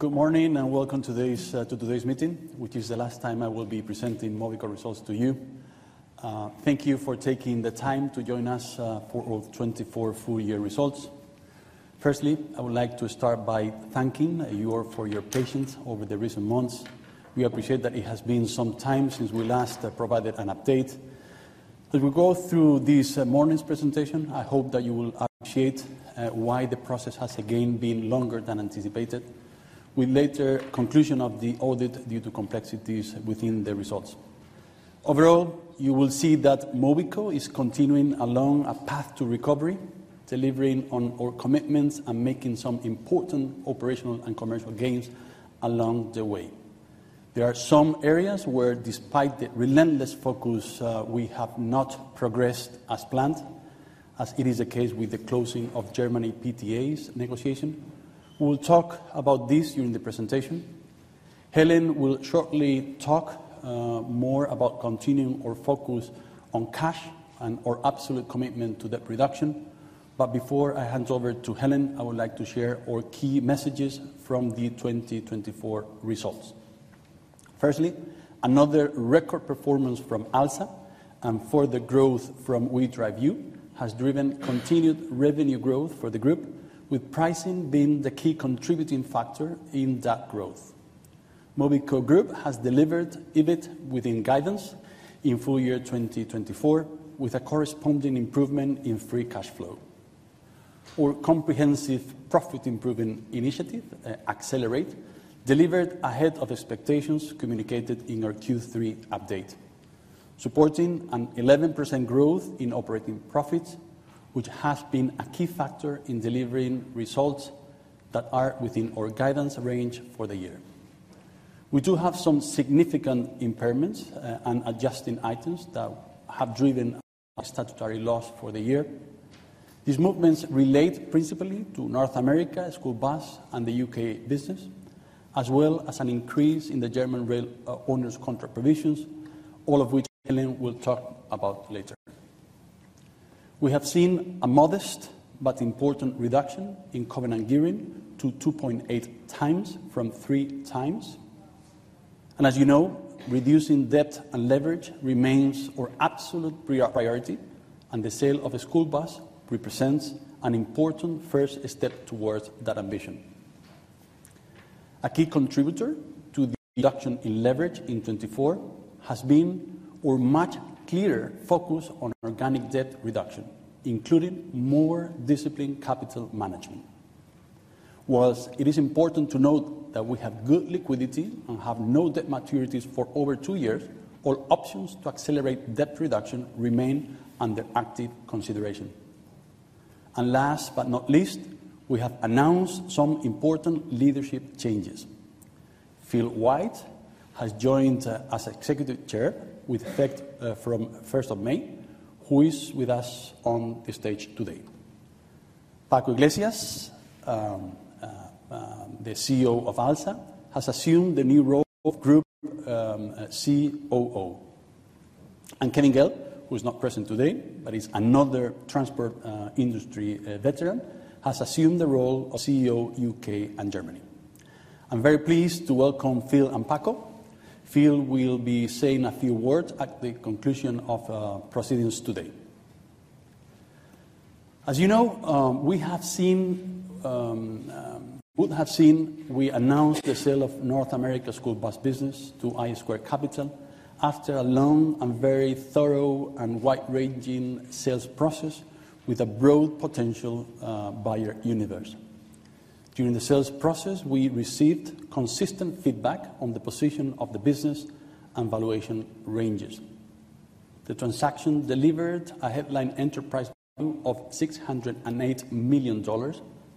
Good morning and welcome to today's meeting, which is the last time I will be presenting Mobico Group results to you. Thank you for taking the time to join us for our 2024 full-year results. Firstly, I would like to start by thanking you all for your patience over the recent months. We appreciate that it has been some time since we last provided an update. As we go through this morning's presentation, I hope that you will appreciate why the process has again been longer than anticipated, with later conclusion of the audit due to complexities within the results. Overall, you will see that Mobico is continuing along a path to recovery, delivering on our commitments and making some important operational and commercial gains along the way. There are some areas where, despite the relentless focus, we have not progressed as planned, as it is the case with the closing of Germany-PTA's negotiation. We will talk about this during the presentation. Helen will shortly talk more about continuing our focus on cash and our absolute commitment to debt reduction. Before I hand over to Helen, I would like to share our key messages from the 2024 results. Firstly, another record performance from ALSA and further growth from WeDriveU has driven continued revenue growth for the group, with pricing being the key contributing factor in that growth. Mobico Group has delivered EBIT within guidance in full year 2024, with a corresponding improvement in free cash flow. Our comprehensive profit-improving initiative, Accelerate, delivered ahead of expectations communicated in our Q3 update, supporting an 11% growth in operating profits, which has been a key factor in delivering results that are within our guidance range for the year. We do have some significant impairments and adjusting items that have driven statutory loss for the year. These movements relate principally to North America School Bus and the U.K. business, as well as an increase in the German rail onerous contract provisions, all of which Helen will talk about later. We have seen a modest but important reduction in Covid-19 gearing to 2.8x from 3x. As you know, reducing debt and leverage remains our absolute priority, and the sale of a school bus represents an important first step towards that ambition. A key contributor to the reduction in leverage in 2024 has been our much clearer focus on organic debt reduction, including more disciplined capital management. Whilst it is important to note that we have good liquidity and have no debt maturities for over two years, our options to accelerate debt reduction remain under active consideration. Last but not least, we have announced some important leadership changes. Phil White has joined as Executive Chair with effect from 1st of May, who is with us on the stage today. Paco Iglesias, the CEO of ALSA, has assumed the new role of Group COO. Kevin Gale, who is not present today but is another transport industry veteran, has assumed the role of CEO U.K. and Germany. I'm very pleased to welcome Phil and Paco. Phil will be saying a few words at the conclusion of proceedings today. As you know, we have seen, we announced the sale of North America School Bus business to I Squared Capital after a long and very thorough and wide-ranging sales process with a broad potential buyer universe. During the sales process, we received consistent feedback on the position of the business and valuation ranges. The transaction delivered a headline enterprise value of $608 million,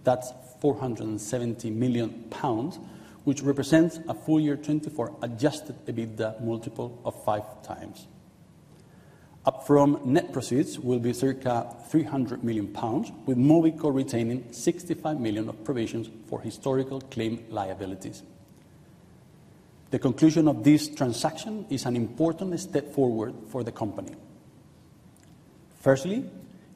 that's 470 million pounds, which represents a full year 2024 adjusted EBITDA multiple of five times. Upfront net proceeds will be circa 300 million pounds, with Mobico retaining 65 million of provisions for historical claim liabilities. The conclusion of this transaction is an important step forward for the company. Firstly,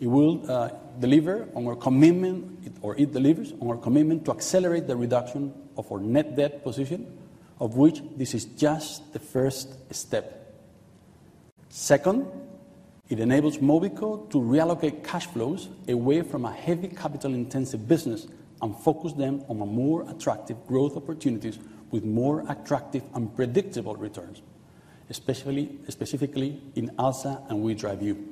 it will deliver on our commitment, or it delivers on our commitment to accelerate the reduction of our net debt position, of which this is just the first step. Second, it enables Mobico to reallocate cash flows away from a heavy capital-intensive business and focus them on more attractive growth opportunities with more attractive and predictable returns, especially specifically in ALSA and WeDriveU.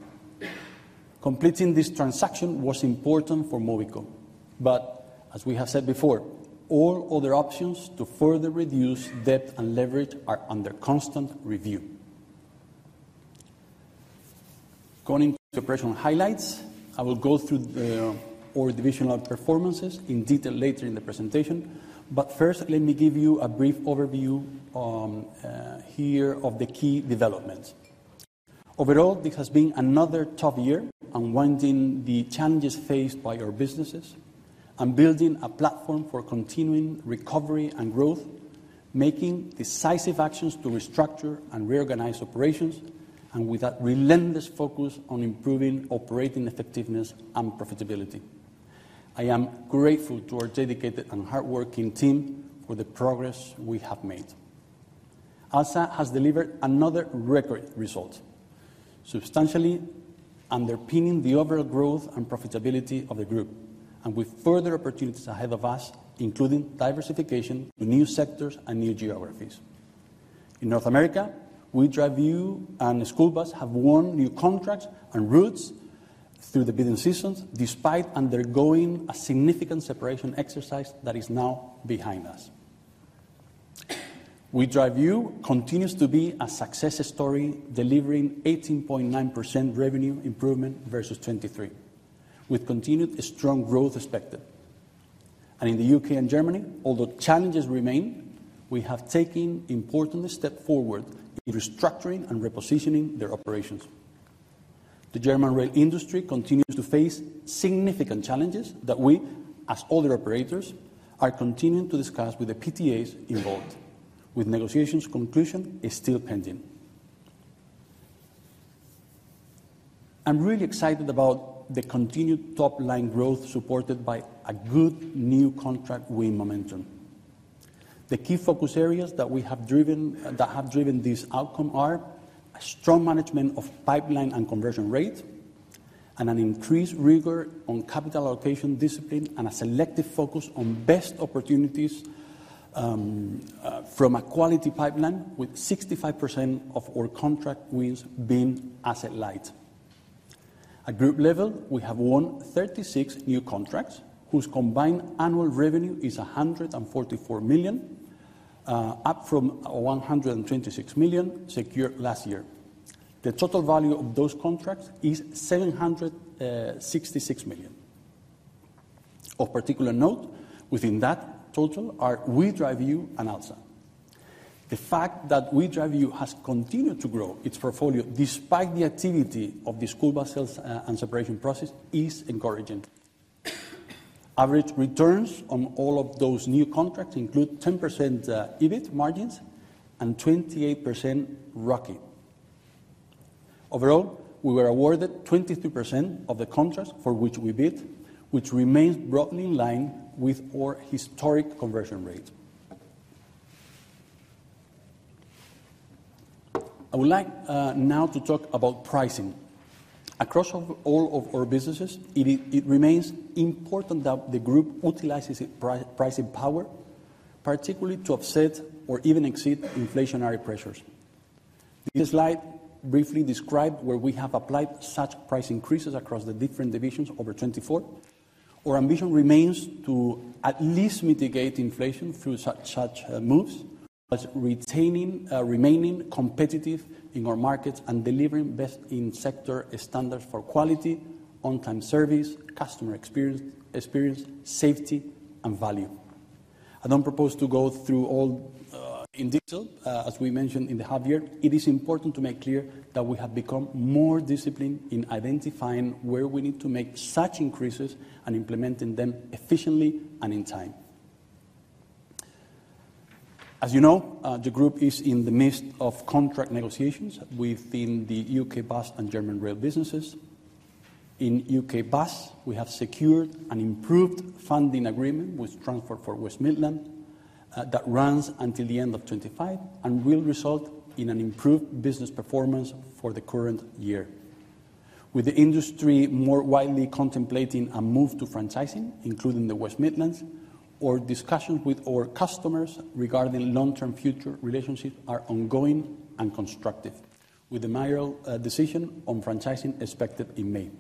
Completing this transaction was important for Mobico, but as we have said before, all other options to further reduce debt and leverage are under constant review. Going into operational highlights, I will go through our divisional performances in detail later in the presentation, but first, let me give you a brief overview here of the key developments. Overall, this has been another tough year unwinding the challenges faced by our businesses and building a platform for continuing recovery and growth, making decisive actions to restructure and reorganize operations, and with that relentless focus on improving operating effectiveness and profitability. I am grateful to our dedicated and hardworking team for the progress we have made. ALSA has delivered another record result, substantially underpinning the overall growth and profitability of the group, and with further opportunities ahead of us, including diversification to new sectors and new geographies. In North America, WeDriveU and School Bus have won new contracts and routes through the bidding seasons despite undergoing a significant separation exercise that is now behind us. WeDriveU continues to be a success story, delivering 18.9% revenue improvement versus 2023, with continued strong growth expected. In the U.K. and Germany, although challenges remain, we have taken important steps forward in restructuring and repositioning their operations. The German rail industry continues to face significant challenges that we, as other operators, are continuing to discuss with the PTAs involved, with negotiations conclusion still pending. I'm really excited about the continued top-line growth supported by a good new contract win momentum. The key focus areas that we have driven that have driven this outcome are a strong management of pipeline and conversion rate, and an increased rigor on capital allocation discipline, and a selective focus on best opportunities from a quality pipeline, with 65% of our contract wins being asset light. At group level, we have won 36 new contracts, whose combined annual revenue is 144 million, up from 126 million secured last year. The total value of those contracts is 766 million. Of particular note, within that total are WeDriveU and ALSA. The fact that WeDriveU has continued to grow its portfolio despite the activity of the school bus sales and separation process is encouraging. Average returns on all of those new contracts include 10% EBIT margins and 28% ROCE. Overall, we were awarded 22% of the contracts for which we bid, which remains broadly in line with our historic conversion rate. I would like now to talk about pricing. Across all of our businesses, it remains important that the group utilizes its pricing power, particularly to offset or even exceed inflationary pressures. This slide briefly describes where we have applied such price increases across the different divisions over 2024. Our ambition remains to at least mitigate inflation through such moves, retaining remaining competitive in our markets and delivering best in sector standards for quality, on-time service, customer experience, safety, and value. I do not propose to go through all in detail. As we mentioned in the half year, it is important to make clear that we have become more disciplined in identifying where we need to make such increases and implementing them efficiently and in time. As you know, the group is in the midst of contract negotiations within the U.K. bus and German rail businesses. In U.K. bus, we have secured an improved funding agreement with Transport for West Midlands that runs until the end of 2025 and will result in an improved business performance for the current year. With the industry more widely contemplating a move to franchising, including the West Midlands, our discussions with our customers regarding long-term future relationships are ongoing and constructive, with the mayoral decision on franchising expected in May.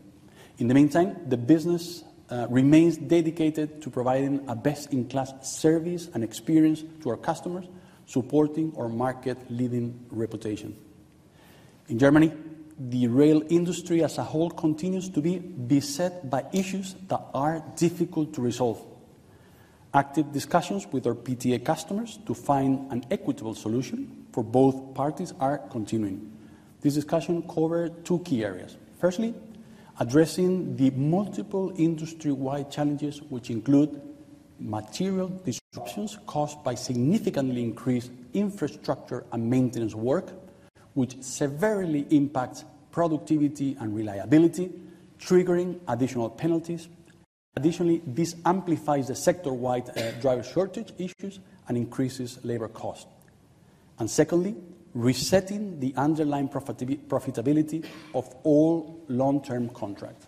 In the meantime, the business remains dedicated to providing a best-in-class service and experience to our customers, supporting our market-leading reputation. In Germany, the rail industry as a whole continues to be beset by issues that are difficult to resolve. Active discussions with our PTA customers to find an equitable solution for both parties are continuing. This discussion covers two key areas. Firstly, addressing the multiple industry-wide challenges, which include material disruptions caused by significantly increased infrastructure and maintenance work, which severely impacts productivity and reliability, triggering additional penalties. Additionally, this amplifies the sector-wide driver shortage issues and increases labor costs. Secondly, resetting the underlying profitability of all long-term contracts.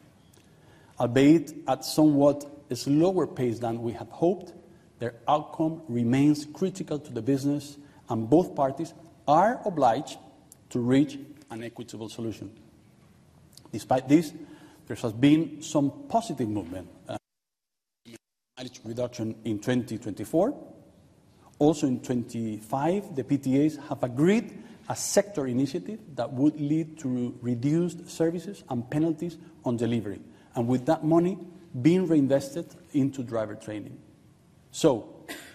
Albeit at a somewhat slower pace than we had hoped, their outcome remains critical to the business, and both parties are obliged to reach an equitable solution. Despite this, there has been some positive movement in reduction in 2024. Also in 2025, the PTAs have agreed a sector initiative that would lead to reduced services and penalties on delivery, with that money being reinvested into driver training.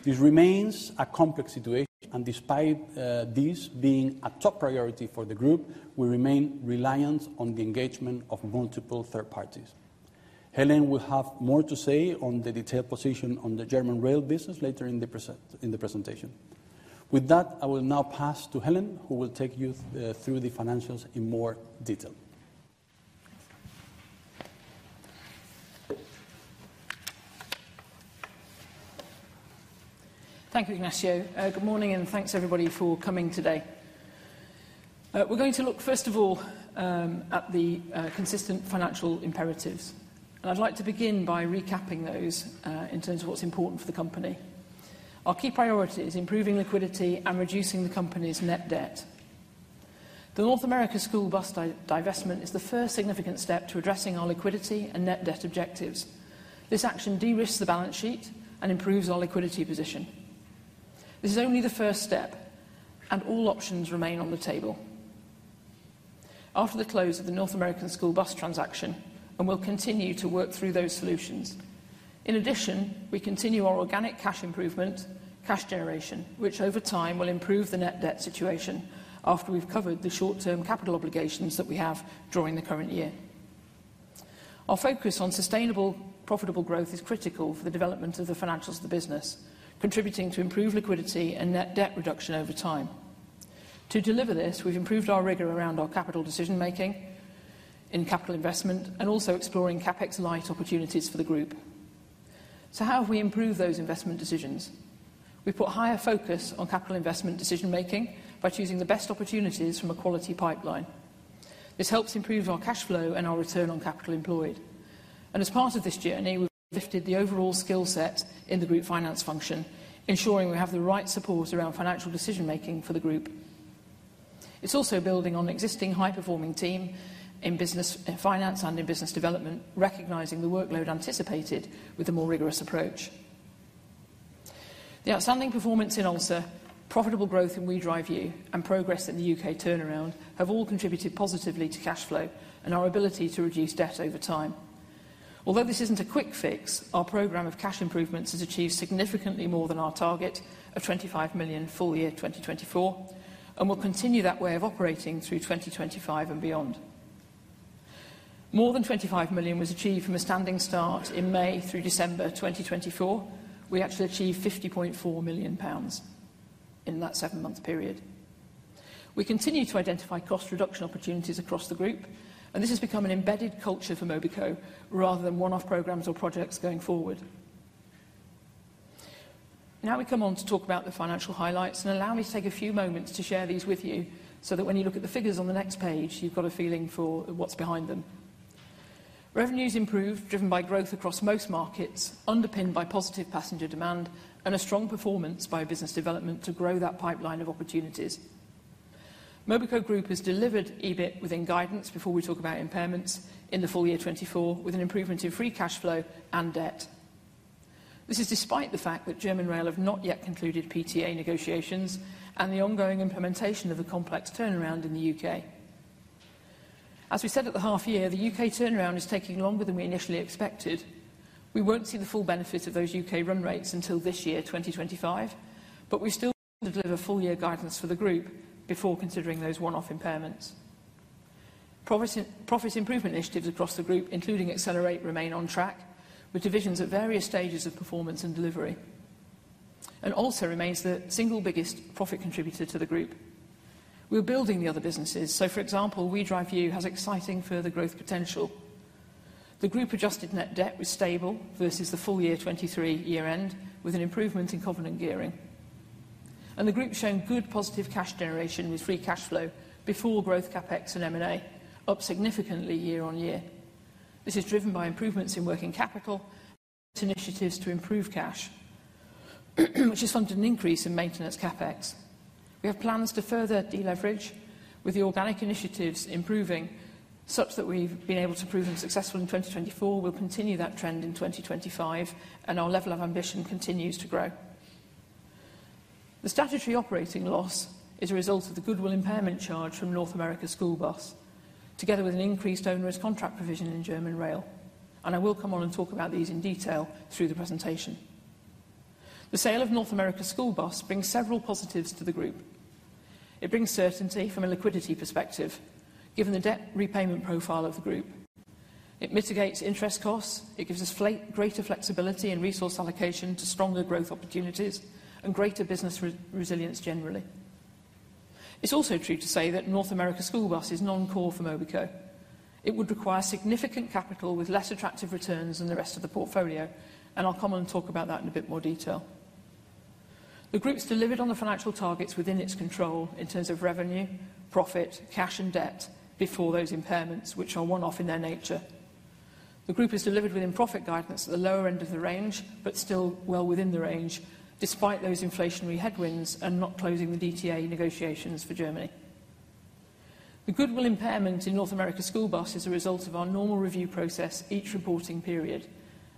This remains a complex situation, and despite this being a top priority for the group, we remain reliant on the engagement of multiple third parties. Helen will have more to say on the detailed position on the German rail business later in the presentation. With that, I will now pass to Helen, who will take you through the financials in more detail. Thank you, Ignacio. Good morning, and thanks, everybody, for coming today. We're going to look, first of all, at the consistent financial imperatives. I'd like to begin by recapping those in terms of what's important for the company. Our key priority is improving liquidity and reducing the company's net debt. The North America school bus divestment is the first significant step to addressing our liquidity and net debt objectives. This action de-risks the balance sheet and improves our liquidity position. This is only the first step, and all options remain on the table. After the close of the North America school bus transaction, we'll continue to work through those solutions. In addition, we continue our organic cash improvement, cash generation, which over time will improve the net debt situation after we've covered the short-term capital obligations that we have during the current year. Our focus on sustainable, profitable growth is critical for the development of the financials of the business, contributing to improved liquidity and net debt reduction over time. To deliver this, we've improved our rigor around our capital decision-making in capital investment and also exploring CapEx light opportunities for the group. How have we improved those investment decisions? We've put higher focus on capital investment decision-making by choosing the best opportunities from a quality pipeline. This helps improve our cash flow and our return on capital employed. As part of this journey, we've lifted the overall skill set in the group finance function, ensuring we have the right support around financial decision-making for the group. It's also building on an existing high-performing team in business finance and in business development, recognizing the workload anticipated with a more rigorous approach. The outstanding performance in ALSA, profitable growth in WeDriveU, and progress in the U.K. turnaround have all contributed positively to cash flow and our ability to reduce debt over time. Although this isn't a quick fix, our program of cash improvements has achieved significantly more than our target of 25 million full year 2024, and we'll continue that way of operating through 2025 and beyond. More than 25 million was achieved from a standing start in May through December 2024. We actually achieved 50.4 million pounds in that seven-month period. We continue to identify cost reduction opportunities across the group, and this has become an embedded culture for Mobico rather than one-off programs or projects going forward. Now we come on to talk about the financial highlights, and allow me to take a few moments to share these with you so that when you look at the figures on the next page, you've got a feeling for what's behind them. Revenues improved, driven by growth across most markets, underpinned by positive passenger demand, and a strong performance by business development to grow that pipeline of opportunities. Mobico Group has delivered EBIT within guidance before we talk about impairments in the full year 2024, with an improvement in free cash flow and debt. This is despite the fact that German Rail have not yet concluded PTA negotiations and the ongoing implementation of a complex turnaround in the U.K. As we said at the half year, the U.K. turnaround is taking longer than we initially expected. We won't see the full benefit of those U.K. run rates until this year, 2025, but we still need to deliver full year guidance for the group before considering those one-off impairments. Profit improvement initiatives across the group, including Accelerate, remain on track with divisions at various stages of performance and delivery. ALSA remains the single biggest profit contributor to the group. We're building the other businesses. For example, WeDriveU has exciting further growth potential. The group adjusted net debt was stable versus the full year 2023 year-end, with an improvement in covenant gearing. The group showed good positive cash generation with free cash flow before growth CapEx and M&A up significantly year on year. This is driven by improvements in working capital and initiatives to improve cash, which has funded an increase in maintenance CapEx. We have plans to further deleverage with the organic initiatives improving such that we've been able to prove them successful in 2024. We'll continue that trend in 2025, and our level of ambition continues to grow. The statutory operating loss is a result of the goodwill impairment charge from North America School Bus, together with an increased onerous contract provision in German rail. I will come on and talk about these in detail through the presentation. The sale of North America School Bus brings several positives to the group. It brings certainty from a liquidity perspective, given the debt repayment profile of the group. It mitigates interest costs. It gives us greater flexibility and resource allocation to stronger growth opportunities and greater business resilience generally. It's also true to say that North America School Bus is non-core for Mobico. It would require significant capital with less attractive returns than the rest of the portfolio, and I'll come on and talk about that in a bit more detail. The group's delivered on the financial targets within its control in terms of revenue, profit, cash, and debt before those impairments, which are one-off in their nature. The group has delivered within profit guidance at the lower end of the range, but still well within the range, despite those inflationary headwinds and not closing the DTA negotiations for Germany. The goodwill impairment in North America School Bus is a result of our normal review process each reporting period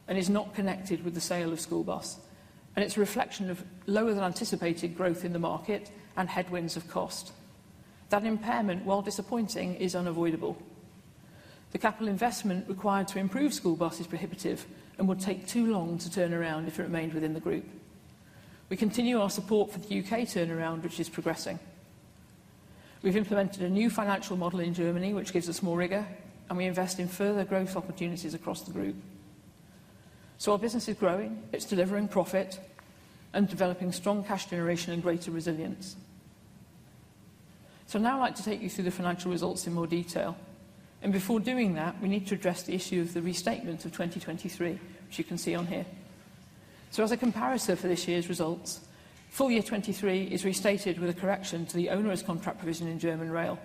and is not connected with the sale of School Bus. It's a reflection of lower than anticipated growth in the market and headwinds of cost. That impairment, while disappointing, is unavoidable. The capital investment required to improve School Bus is prohibitive and would take too long to turn around if it remained within the group. We continue our support for the U.K. turnaround, which is progressing. We've implemented a new financial model in Germany, which gives us more rigor, and we invest in further growth opportunities across the group. Our business is growing. It's delivering profit and developing strong cash generation and greater resilience. Now I'd like to take you through the financial results in more detail. Before doing that, we need to address the issue of the restatement of 2023, which you can see on here. As a comparison for this year's results, full year 2023 is restated with a correction to the onerous contract provision in German rail.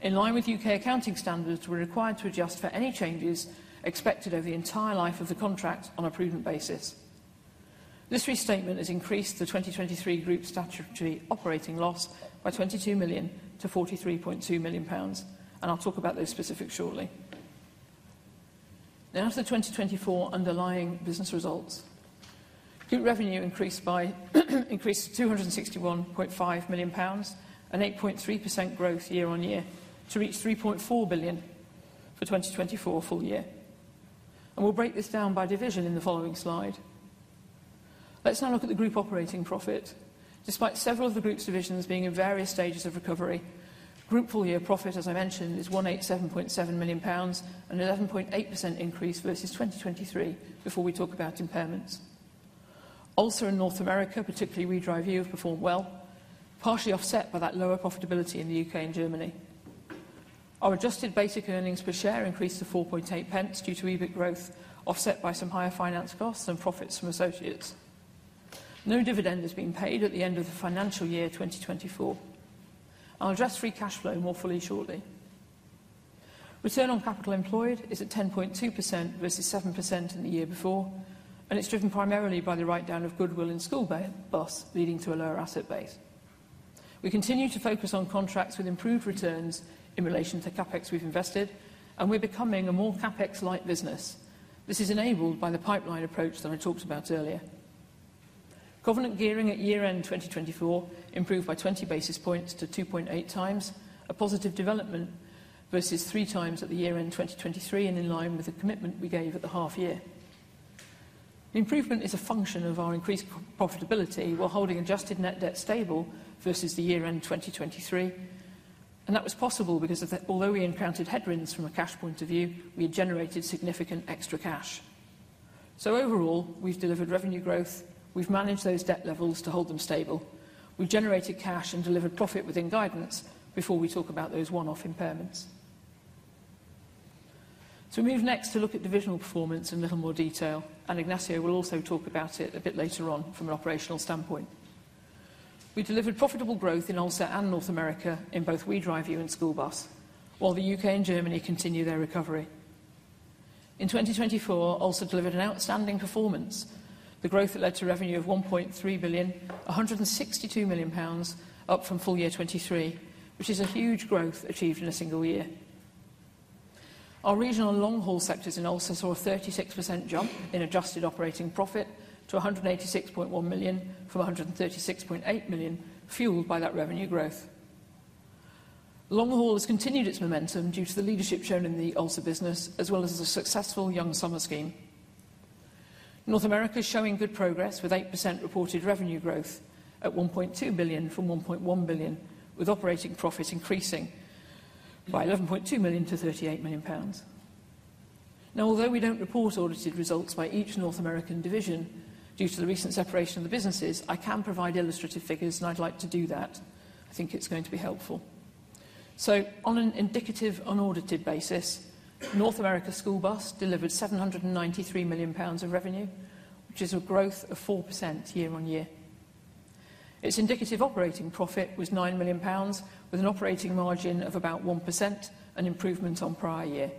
In line with U.K. accounting standards, we're required to adjust for any changes expected over the entire life of the contract on a prudent basis. This restatement has increased the 2023 group's statutory operating loss by 22 million to 43.2 million pounds, and I'll talk about those specifics shortly. Now to the 2024 underlying business results. Group revenue increased by 261.5 million pounds and 8.3% growth year on year to reach 3.4 billion for 2024 full year. We will break this down by division in the following slide. Let's now look at the group operating profit. Despite several of the group's divisions being in various stages of recovery, group full year profit, as I mentioned, is 187.7 million pounds and an 11.8% increase versus 2023 before we talk about impairments. ALSA in North America, particularly WeDriveU, have performed well, partially offset by that lower profitability in the U.K. and Germany. Our adjusted basic earnings per share increased to 4.8 due to EBIT growth, offset by some higher finance costs and profits from associates. No dividend has been paid at the end of the financial year 2024. I'll address free cash flow more fully shortly. Return on capital employed is at 10.2% versus 7% in the year before, and it's driven primarily by the write-down of goodwill in School Bus, leading to a lower asset base. We continue to focus on contracts with improved returns in relation to CapEx we've invested, and we're becoming a more CapEx-light business. This is enabled by the pipeline approach that I talked about earlier. Covenant gearing at year-end 2024 improved by 20 basis points to 2.8 times, a positive development versus three times at the year-end 2023 and in line with the commitment we gave at the half year. The improvement is a function of our increased profitability while holding adjusted net debt stable versus the year-end 2023. That was possible because although we encountered headwinds from a cash point of view, we had generated significant extra cash. Overall, we've delivered revenue growth. We've managed those debt levels to hold them stable. We've generated cash and delivered profit within guidance before we talk about those one-off impairments. We move next to look at divisional performance in a little more detail, and Ignacio will also talk about it a bit later on from an operational standpoint. We delivered profitable growth in ALSA and North America in both WeDriveU and School Bus, while the U.K. and Germany continue their recovery. In 2024, ALSA delivered an outstanding performance, the growth that led to revenue of 1.3 billion, 162 million pounds, up from full year 2023, which is a huge growth achieved in a single year. Our regional and long-haul sectors in ALSA saw a 36% jump in adjusted operating profit to 186.1 million from 136.8 million, fueled by that revenue growth. Long-haul has continued its momentum due to the leadership shown in the ALSA business, as well as a successful young summer scheme. North America is showing good progress with 8% reported revenue growth at 1.2 billion from 1.1 billion, with operating profit increasing by 11.2 million to 38 million pounds. Now, although we do not report audited results by each North American division due to the recent separation of the businesses, I can provide illustrative figures, and I would like to do that. I think it is going to be helpful. On an indicative unaudited basis, North America School Bus delivered 793 million pounds of revenue, which is a growth of 4% year on year. Its indicative operating profit was 9 million pounds, with an operating margin of about 1%, an improvement on prior year.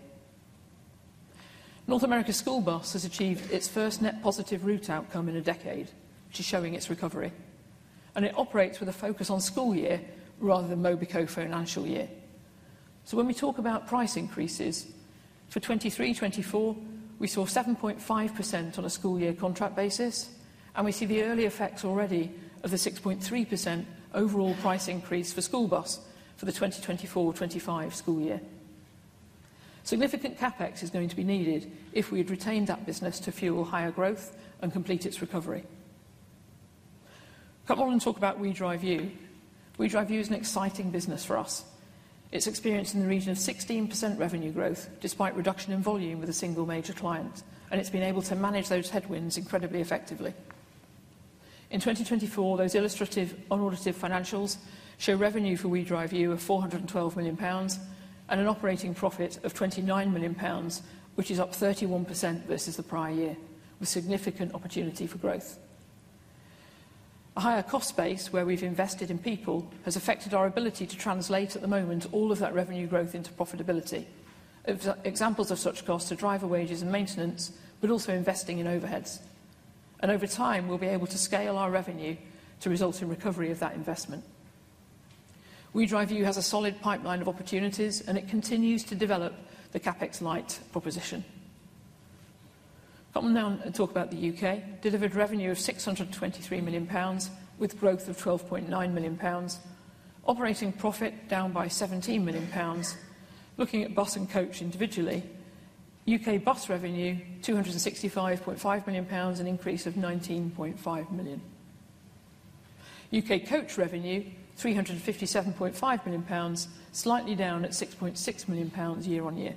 North America School Bus has achieved its first net positive route outcome in a decade, which is showing its recovery. It operates with a focus on school year rather than Mobico financial year. When we talk about price increases for 2023-2024, we saw 7.5% on a school year contract basis, and we see the early effects already of the 6.3% overall price increase for School Bus for the 2024-2025 school year. Significant CapEx is going to be needed if we had retained that business to fuel higher growth and complete its recovery. Come on and talk about WeDriveU. WeDriveU is an exciting business for us. It's experienced in the region of 16% revenue growth despite reduction in volume with a single major client, and it's been able to manage those headwinds incredibly effectively. In 2024, those illustrative unaudited financials show revenue for WeDriveU of 412 million pounds and an operating profit of 29 million pounds, which is up 31% versus the prior year, with significant opportunity for growth. A higher cost base where we've invested in people has affected our ability to translate at the moment all of that revenue growth into profitability. Examples of such costs are driver wages and maintenance, but also investing in overheads. Over time, we'll be able to scale our revenue to result in recovery of that investment. WeDriveU has a solid pipeline of opportunities, and it continues to develop the CapEx light proposition. Come on now and talk about the U.K. Delivered revenue of 623 million pounds with growth of 12.9 million pounds, operating profit down by 17 million pounds. Looking at bus and coach individually, U.K. bus revenue, 265.5 million pounds, an increase of 19.5 million. U.K. coach revenue, 357.5 million pounds, slightly down at 6.6 million pounds year on year.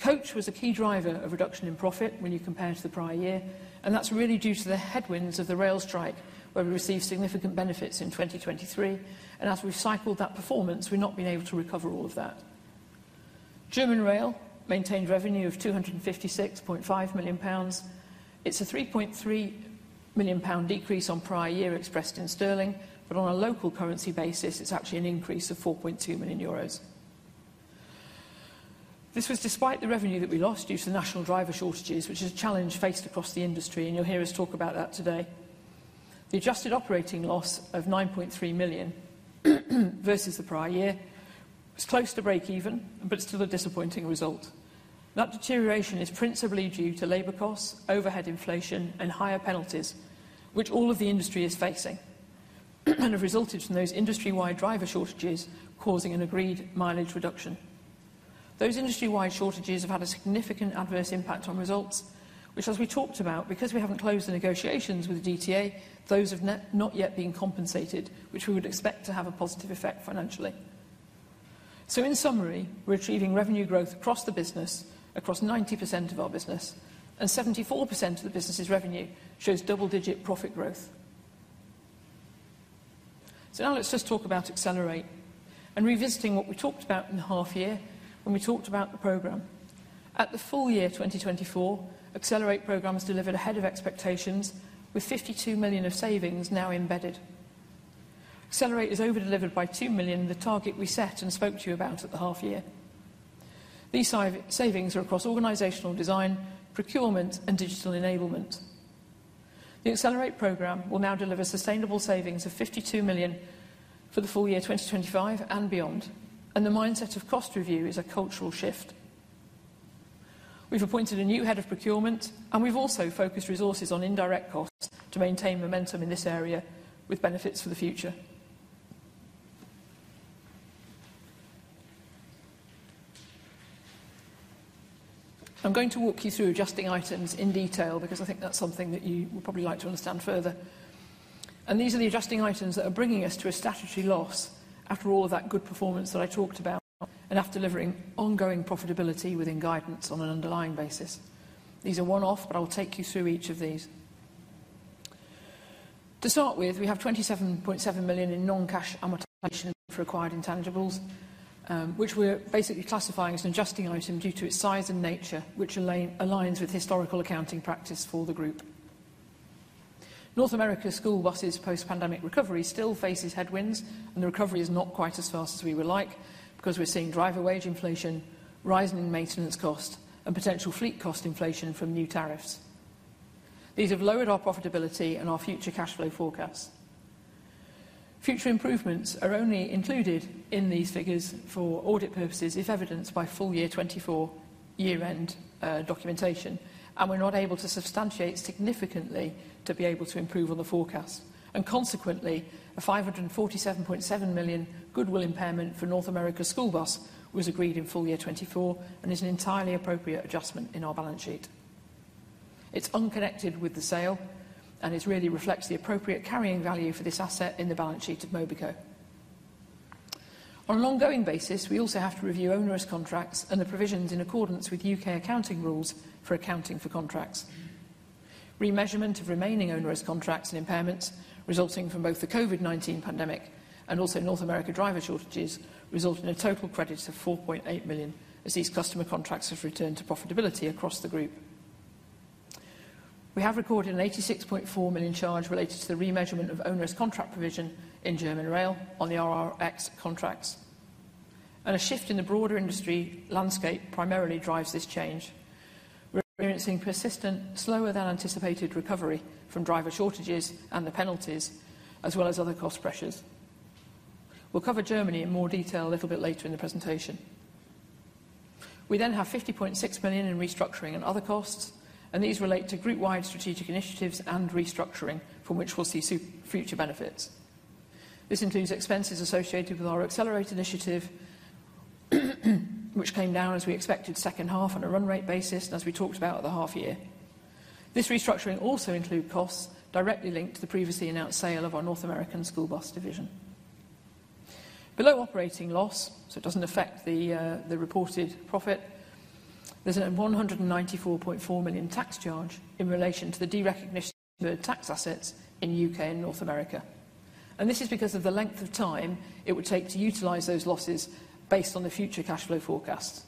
Coach was a key driver of reduction in profit when you compare to the prior year, and that's really due to the headwinds of the rail strike where we received significant benefits in 2023. As we've cycled that performance, we've not been able to recover all of that. German rail maintained revenue of 256.5 million pounds. It's a 3.3 million pound decrease on prior year expressed in sterling, but on a local currency basis, it's actually an increase of 4.2 million euros. This was despite the revenue that we lost due to national driver shortages, which is a challenge faced across the industry, and you'll hear us talk about that today. The adjusted operating loss of 9.3 million versus the prior year was close to break even, but it's still a disappointing result. That deterioration is principally due to labor costs, overhead inflation, and higher penalties, which all of the industry is facing, and have resulted from those industry-wide driver shortages causing an agreed mileage reduction. Those industry-wide shortages have had a significant adverse impact on results, which, as we talked about, because we haven't closed the negotiations with the DTA, those have not yet been compensated, which we would expect to have a positive effect financially. In summary, we're achieving revenue growth across the business, across 90% of our business, and 74% of the business's revenue shows double-digit profit growth. Let's just talk about Accelerate and revisiting what we talked about in the half year when we talked about the program. At the full year 2024, the Accelerate program has delivered ahead of expectations with 52 million of savings now embedded. Accelerate has over-delivered by 2 million, the target we set and spoke to you about at the half year. These savings are across organizational design, procurement, and digital enablement. The Accelerate program will now deliver sustainable savings of 52 million for the full year 2025 and beyond, and the mindset of cost review is a cultural shift. We've appointed a new Head of Procurement, and we've also focused resources on indirect costs to maintain momentum in this area with benefits for the future. I'm going to walk you through adjusting items in detail because I think that's something that you would probably like to understand further. These are the adjusting items that are bringing us to a statutory loss after all of that good performance that I talked about and after delivering ongoing profitability within guidance on an underlying basis. These are one-off, but I'll take you through each of these. To start with, we have 27.7 million in non-cash amortization for acquired intangibles, which we're basically classifying as an adjusting item due to its size and nature, which aligns with historical accounting practice for the group. North America School Bus's post-pandemic recovery still faces headwinds, and the recovery is not quite as fast as we would like because we're seeing driver wage inflation, rising maintenance cost, and potential fleet cost inflation from new tariffs. These have lowered our profitability and our future cash flow forecasts. Future improvements are only included in these figures for audit purposes if evidenced by full year 2024 year-end documentation, and we're not able to substantiate significantly to be able to improve on the forecast. Consequently, a 547.7 million goodwill impairment for North America School Bus was agreed in full year 2024 and is an entirely appropriate adjustment in our balance sheet. It's unconnected with the sale and it really reflects the appropriate carrying value for this asset in the balance sheet of Mobico. On an ongoing basis, we also have to review onerous contracts and the provisions in accordance with U.K. accounting rules for accounting for contracts. Remesurement of remaining onerous contracts and impairments resulting from both the COVID-19 pandemic and also North America driver shortages resulted in a total credit of 4.8 million as these customer contracts have returned to profitability across the group. We have recorded a 86.4 million charge related to the remeasurement of onerous contract provision in German rail on the RRX contracts. A shift in the broader industry landscape primarily drives this change. We are experiencing persistent, slower than anticipated recovery from driver shortages and the penalties, as well as other cost pressures. We will cover Germany in more detail a little bit later in the presentation. We then have 50.6 million in restructuring and other costs, and these relate to group-wide strategic initiatives and restructuring from which we will see future benefits. This includes expenses associated with our Accelerate initiative, which came down as we expected second half on a run rate basis and as we talked about at the half year. This restructuring also includes costs directly linked to the previously announced sale of our North America School Bus division. Below operating loss, so it does not affect the reported profit, there is a 194.4 million tax charge in relation to the derecognition of tax assets in the U.K. and North America. This is because of the length of time it would take to utilize those losses based on the future cash flow forecasts.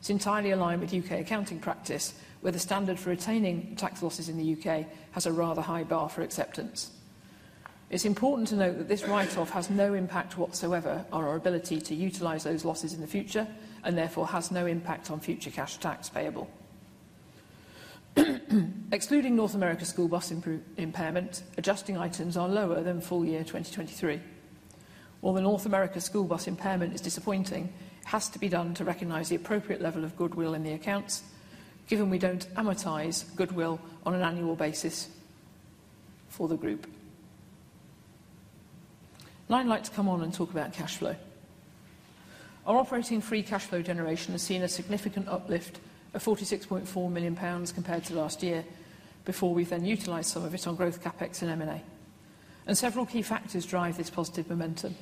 It is entirely aligned with U.K. accounting practice, where the standard for retaining tax losses in the U.K. has a rather high bar for acceptance. It is important to note that this write-off has no impact whatsoever on our ability to utilize those losses in the future and therefore has no impact on future cash tax payable. Excluding North America School Bus impairment, adjusting items are lower than full year 2023. While the North America School Bus impairment is disappointing, it has to be done to recognize the appropriate level of goodwill in the accounts, given we do not amortize goodwill on an annual basis for the group. Now I would like to come on and talk about cash flow. Our operating free cash flow generation has seen a significant uplift of 46.4 million pounds compared to last year before we have then utilized some of it on growth CapEx and M&A. Several key factors drive this positive momentum.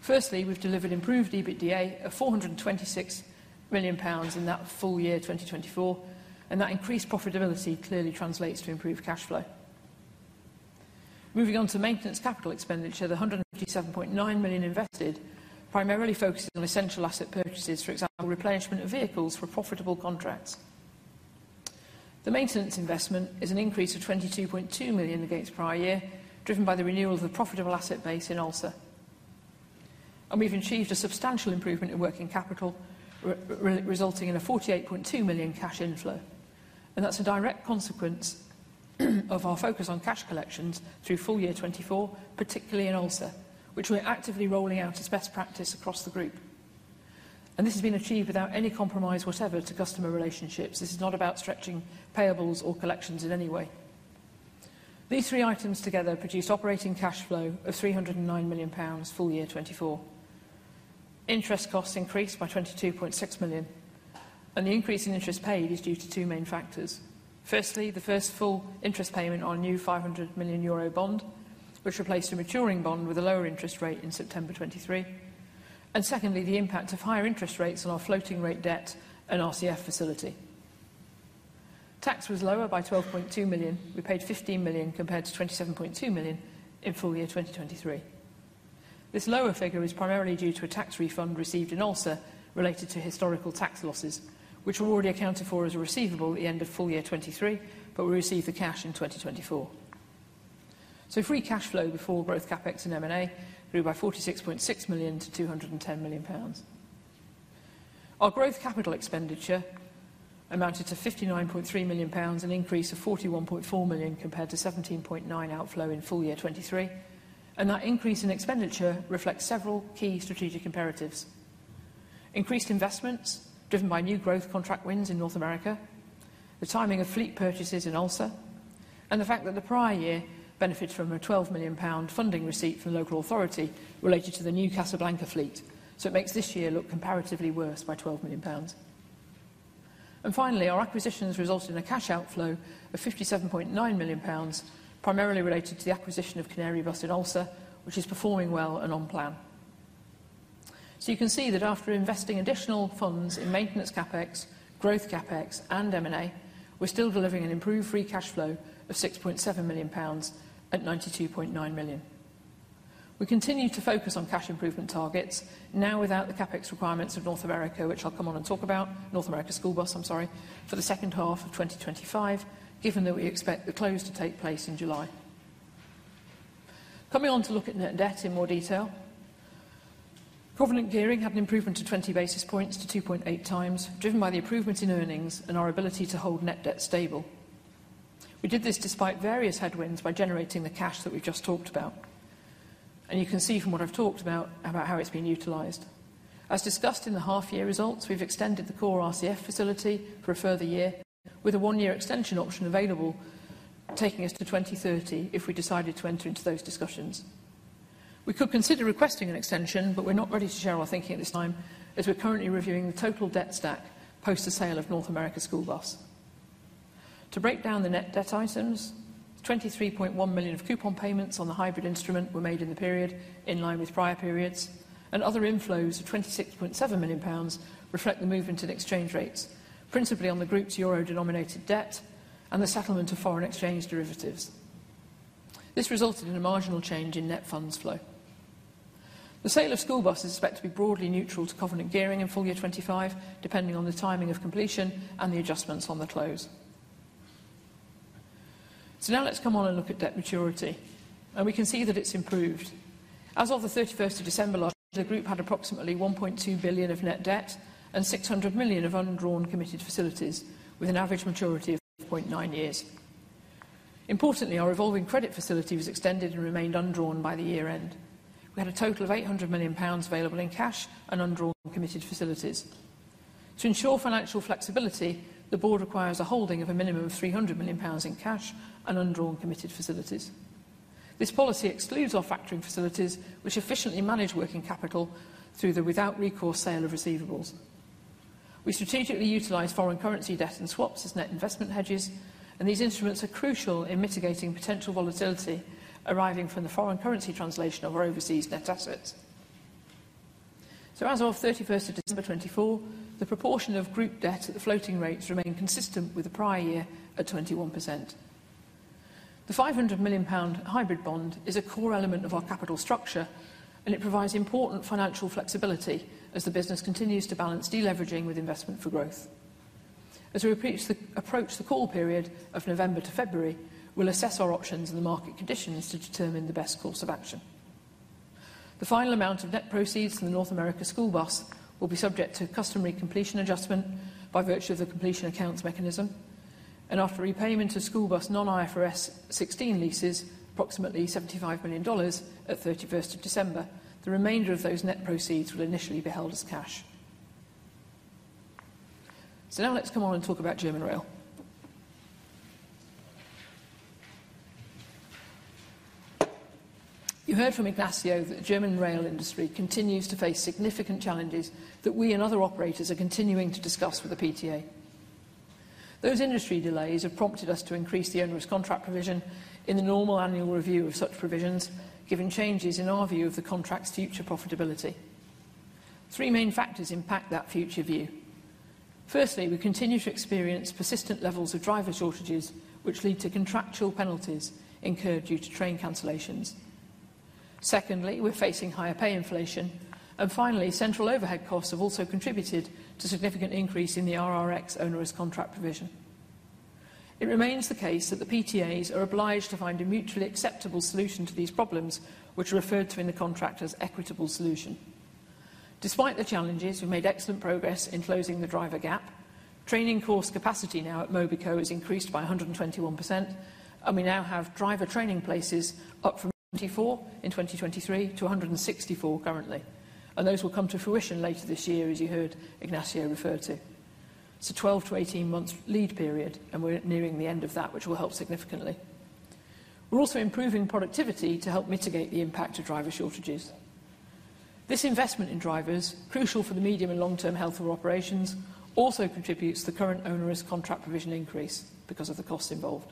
Firstly, we have delivered improved EBITDA of 426 million pounds in that full year 2024, and that increased profitability clearly translates to improved cash flow. Moving on to maintenance capital expenditure, the GBP 157.9 million invested primarily focuses on essential asset purchases, for example, replenishment of vehicles for profitable contracts. The maintenance investment is an increase of 22.2 million against prior year, driven by the renewal of the profitable asset base in ALSA. We have achieved a substantial improvement in working capital, resulting in a 48.2 million cash inflow. That is a direct consequence of our focus on cash collections through full year 2024, particularly in ALSA, which we are actively rolling out as best practice across the group. This has been achieved without any compromise whatever to customer relationships. This is not about stretching payables or collections in any way. These three items together produce operating cash flow of GBP 309 million full year 2024. Interest costs increased by GBP 22.6 million, and the increase in interest paid is due to two main factors. Firstly, the first full interest payment on a new 500 million euro bond, which replaced a maturing bond with a lower interest rate in September 2023. Secondly, the impact of higher interest rates on our floating rate debt and RCF facility. Tax was lower by 12.2 million. We paid 15 million compared to 27.2 million in full year 2023. This lower figure is primarily due to a tax refund received in ALSA related to historical tax losses, which were already accounted for as a receivable at the end of full year 2023, but we received the cash in 2024. Free cash flow before growth CapEx and M&A grew by 46.6 million to 210 million pounds. Our growth capital expenditure amounted to 59.3 million pounds, an increase of 41.4 million compared to 17.9 million outflow in full year 2023. That increase in expenditure reflects several key strategic imperatives. Increased investments driven by new growth contract wins in North America, the timing of fleet purchases in ALSA, and the fact that the prior year benefited from a 12 million pound funding receipt from local authority related to the new Casablanca fleet. It makes this year look comparatively worse by 12 million pounds. Finally, our acquisitions resulted in a cash outflow of 57.9 million pounds, primarily related to the acquisition of Canary Bus in ALSA, which is performing well and on plan. You can see that after investing additional funds in maintenance CapEx, growth CapEx, and M&A, we're still delivering an improved free cash flow of 6.7 million pounds at 92.9 million. We continue to focus on cash improvement targets, now without the CapEx requirements of North America, which I'll come on and talk about, North America School Bus, I'm sorry, for the second half of 2025, given that we expect the close to take place in July. Coming on to look at net debt in more detail. Covenant gearing had an improvement to 20 basis points to 2.8 times, driven by the improvements in earnings and our ability to hold net debt stable. We did this despite various headwinds by generating the cash that we've just talked about. You can see from what I've talked about how it's been utilized. As discussed in the half year results, we've extended the core RCF facility for a further year, with a one-year extension option available, taking us to 2030 if we decided to enter into those discussions. We could consider requesting an extension, but we're not ready to share our thinking at this time as we're currently reviewing the total debt stack post the sale of North America School Bus. To break down the net debt items, 23.1 million of coupon payments on the hybrid instrument were made in the period, in line with prior periods, and other inflows of 26.7 million pounds reflect the movement in exchange rates, principally on the group's euro-denominated debt and the settlement of foreign exchange derivatives. This resulted in a marginal change in net funds flow. The sale of school buses is expected to be broadly neutral to covenant gearing in full year 2025, depending on the timing of completion and the adjustments on the close. Now let's come on and look at debt maturity, and we can see that it's improved. As of the 31st of December last year, the group had approximately 1.2 billion of net debt and 600 million of undrawn committed facilities, with an average maturity of 8.9 years. Importantly, our revolving credit facility was extended and remained undrawn by the year-end. We had a total of 800 million pounds available in cash and undrawn committed facilities. To ensure financial flexibility, the board requires a holding of a minimum of 300 million pounds in cash and undrawn committed facilities. This policy excludes our factoring facilities, which efficiently manage working capital through the without recourse sale of receivables. We strategically utilize foreign currency debt and swaps as net investment hedges, and these instruments are crucial in mitigating potential volatility arriving from the foreign currency translation of our overseas net assets. As of 31st of December 2024, the proportion of group debt at the floating rates remained consistent with the prior year at 21%. 500 million pound hybrid bond is a core element of our capital structure, and it provides important financial flexibility as the business continues to balance deleveraging with investment for growth. As we approach the call period of November to February, we'll assess our options and the market conditions to determine the best course of action. The final amount of net proceeds from the North America School Bus will be subject to customary completion adjustment by virtue of the completion accounts mechanism, and after repayment of School Bus non-IFRS 16 leases, approximately $75 million at 31st of December, the remainder of those net proceeds will initially be held as cash. Now let's come on and talk about German rail. You heard from Ignacio that the German rail industry continues to face significant challenges that we and other operators are continuing to discuss with the PTA. Those industry delays have prompted us to increase the onerous contract provision in the normal annual review of such provisions, given changes in our view of the contract's future profitability. Three main factors impact that future view. Firstly, we continue to experience persistent levels of driver shortages, which lead to contractual penalties incurred due to train cancellations. Secondly, we're facing higher pay inflation, and finally, central overhead costs have also contributed to significant increase in the RRX onerous contract provision. It remains the case that the PTAs are obliged to find a mutually acceptable solution to these problems, which are referred to in the contract as equitable solution. Despite the challenges, we've made excellent progress in closing the driver gap. Training course capacity now at Mobico has increased by 121%, and we now have driver training places up from 24 in 2023 to 164 currently, and those will come to fruition later this year, as you heard Ignacio refer to. It's a 12-18 months lead period, and we're nearing the end of that, which will help significantly. We're also improving productivity to help mitigate the impact of driver shortages. This investment in drivers, crucial for the medium and long-term health of operations, also contributes to the current onerous contract provision increase because of the costs involved.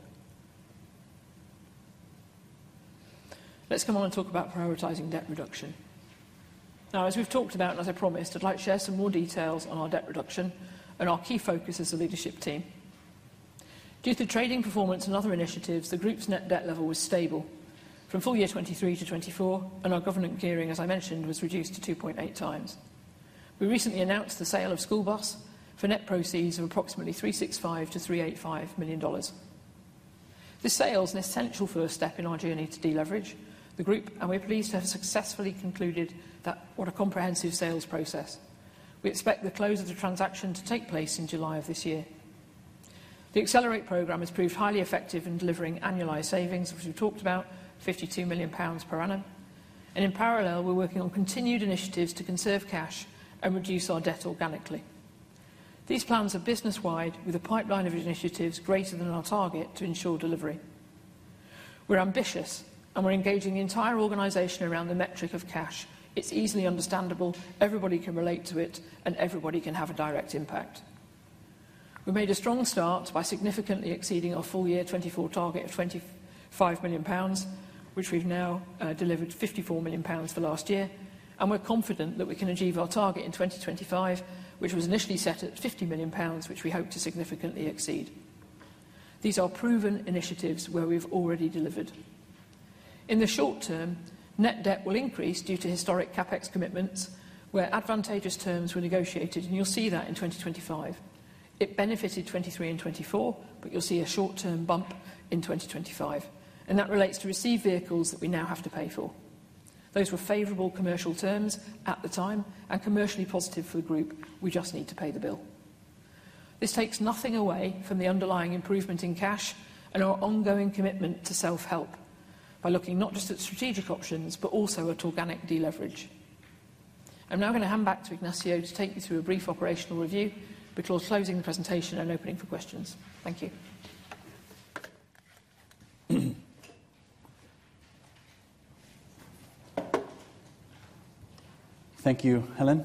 Let's come on and talk about prioritizing debt reduction. Now, as we've talked about and as I promised, I'd like to share some more details on our debt reduction and our key focus as a leadership team. Due to trading performance and other initiatives, the group's net debt level was stable from full year 2023 to 2024, and our covenant gearing, as I mentioned, was reduced to 2.8 times. We recently announced the sale of School Bus for net proceeds of approximately $365-385 million. This sale is an essential first step in our journey to deleverage the group, and we're pleased to have successfully concluded that with a comprehensive sales process. We expect the close of the transaction to take place in July of this year. The Accelerate program has proved highly effective in delivering annualized savings, which we've talked about, 52 million pounds per annum. In parallel, we're working on continued initiatives to conserve cash and reduce our debt organically. These plans are business-wide with a pipeline of initiatives greater than our target to ensure delivery. We're ambitious, and we're engaging the entire organization around the metric of cash. It's easily understandable. Everybody can relate to it, and everybody can have a direct impact. We made a strong start by significantly exceeding our full year 2024 target of 25 million pounds, which we've now delivered 54 million pounds for last year. We're confident that we can achieve our target in 2025, which was initially set at 50 million pounds, which we hope to significantly exceed. These are proven initiatives where we've already delivered. In the short term, net debt will increase due to historic CapEx commitments where advantageous terms were negotiated, and you'll see that in 2025. It benefited 2023 and 2024, but you'll see a short-term bump in 2025. That relates to received vehicles that we now have to pay for. Those were favorable commercial terms at the time and commercially positive for the group. We just need to pay the bill. This takes nothing away from the underlying improvement in cash and our ongoing commitment to self-help by looking not just at strategic options, but also at organic deleverage. I'm now going to hand back to Ignacio to take you through a brief operational review before closing the presentation and opening for questions. Thank you. Thank you, Helen.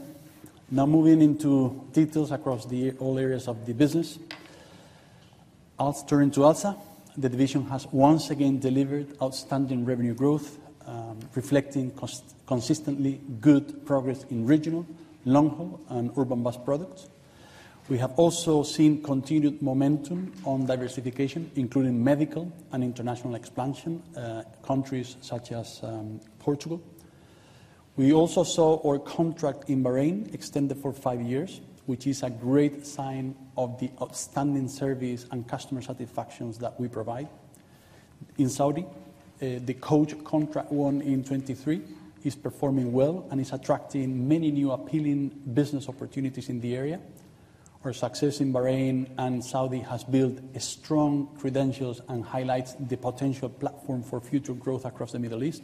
Now moving into details across all areas of the business, I'll turn to ALSA. The division has once again delivered outstanding revenue growth, reflecting consistently good progress in regional, long-haul, and urban bus products. We have also seen continued momentum on diversification, including medical and international expansion, countries such as Portugal. We also saw our contract in Bahrain extended for five years, which is a great sign of the outstanding service and customer satisfaction that we provide. In Saudi, the coach contract won in 2023 is performing well and is attracting many new appealing business opportunities in the area. Our success in Bahrain and Saudi has built strong credentials and highlights the potential platform for future growth across the Middle East.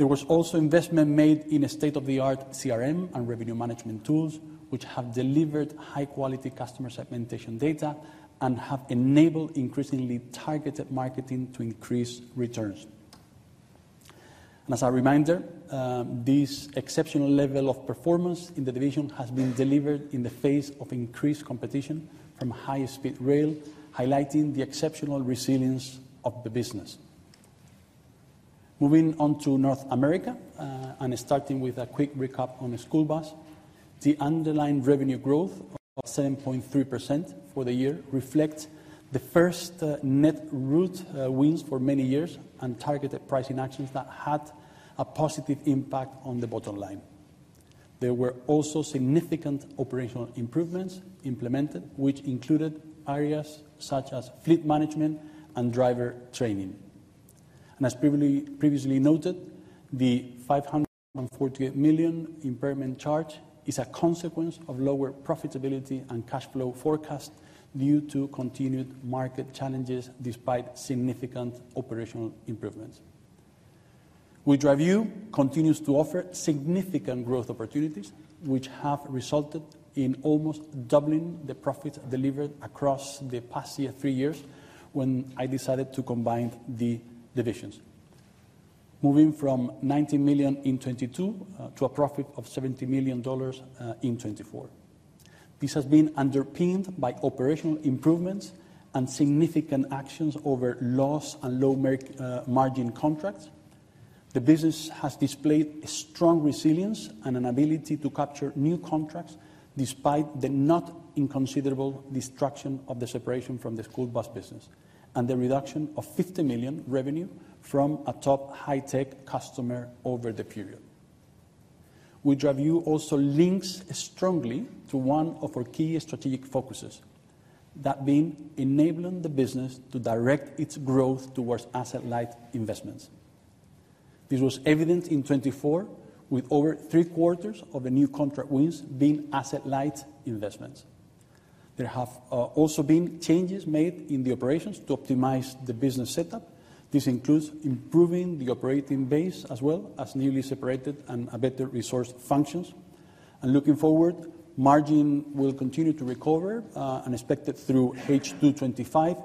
There was also investment made in state-of-the-art CRM and revenue management tools, which have delivered high-quality customer segmentation data and have enabled increasingly targeted marketing to increase returns. As a reminder, this exceptional level of performance in the division has been delivered in the face of increased competition from high-speed rail, highlighting the exceptional resilience of the business. Moving on to North America and starting with a quick recap on School Bus, the underlying revenue growth of 7.3% for the year reflects the first net route wins for many years and targeted pricing actions that had a positive impact on the bottom line. There were also significant operational improvements implemented, which included areas such as fleet management and driver training. As previously noted, the 548 million impairment charge is a consequence of lower profitability and cash flow forecast due to continued market challenges despite significant operational improvements. WeDriveU continues to offer significant growth opportunities, which have resulted in almost doubling the profits delivered across the past three years when I decided to combine the divisions, moving from $90 million in 2022 to a profit of $70 million in 2024. This has been underpinned by operational improvements and significant actions over loss and low-margin contracts. The business has displayed strong resilience and an ability to capture new contracts despite the not inconsiderable disruption of the separation from the school bus business and the reduction of $50 million revenue from a top high-tech customer over the period. WeDriveU also links strongly to one of our key strategic focuses, that being enabling the business to direct its growth towards asset-light investments. This was evident in 2024, with over three quarters of the new contract wins being asset-light investments. There have also been changes made in the operations to optimize the business setup. This includes improving the operating base as well as newly separated and better resource functions. Looking forward, margin will continue to recover and is expected through H2 2025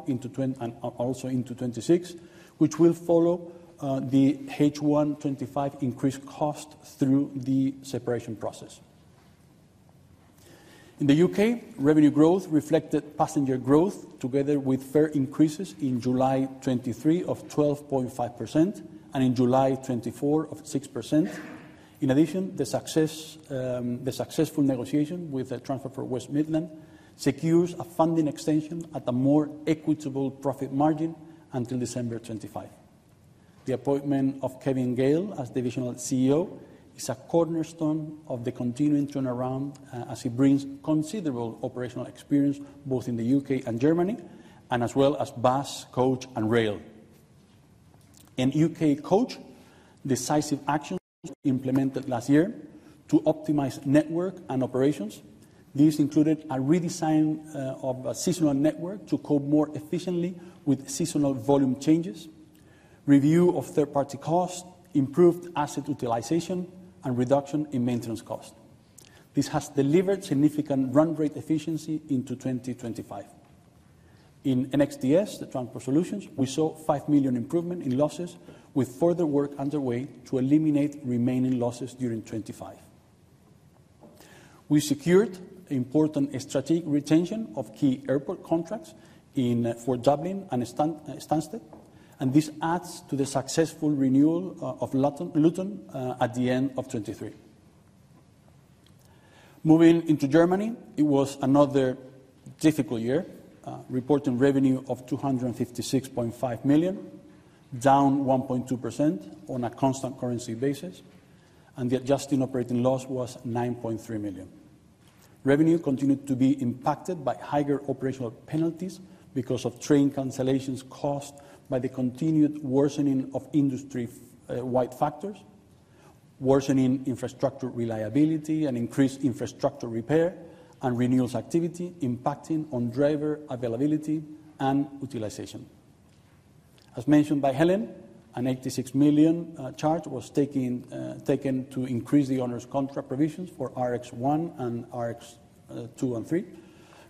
and also into 2026, which will follow the H1 2025 increased cost through the separation process. In the U.K., revenue growth reflected passenger growth together with fare increases in July 2023 of 12.5% and in July 2024 of 6%. In addition, the successful negotiation with the Transport for West Midlands secures a funding extension at a more equitable profit margin until December 2025. The appointment of Kevin Gale as Divisional CEO is a cornerstone of the continuing turnaround as he brings considerable operational experience both in the U.K. and Germany and as well as bus, coach, and rail. In U.K. coach, decisive actions implemented last year to optimize network and operations. These included a redesign of a seasonal network to cope more efficiently with seasonal volume changes, review of third-party costs, improved asset utilization, and reduction in maintenance cost. This has delivered significant run rate efficiency into 2025. In NXDS, the transfer solutions, we saw 5 million improvement in losses with further work underway to eliminate remaining losses during 2025. We secured important strategic retention of key airport contracts for Dublin and Stansted, and this adds to the successful renewal of Luton at the end of 2023. Moving into Germany, it was another difficult year, reporting revenue of 256.5 million, down 1.2% on a constant currency basis, and the adjusting operating loss was 9.3 million. Revenue continued to be impacted by higher operational penalties because of train cancellations caused by the continued worsening of industry-wide factors, worsening infrastructure reliability, and increased infrastructure repair and renewals activity impacting on driver availability and utilization. As mentioned by Helen, a 86 million charge was taken to increase the onerous contract provisions for RX1 and RX2 and 3,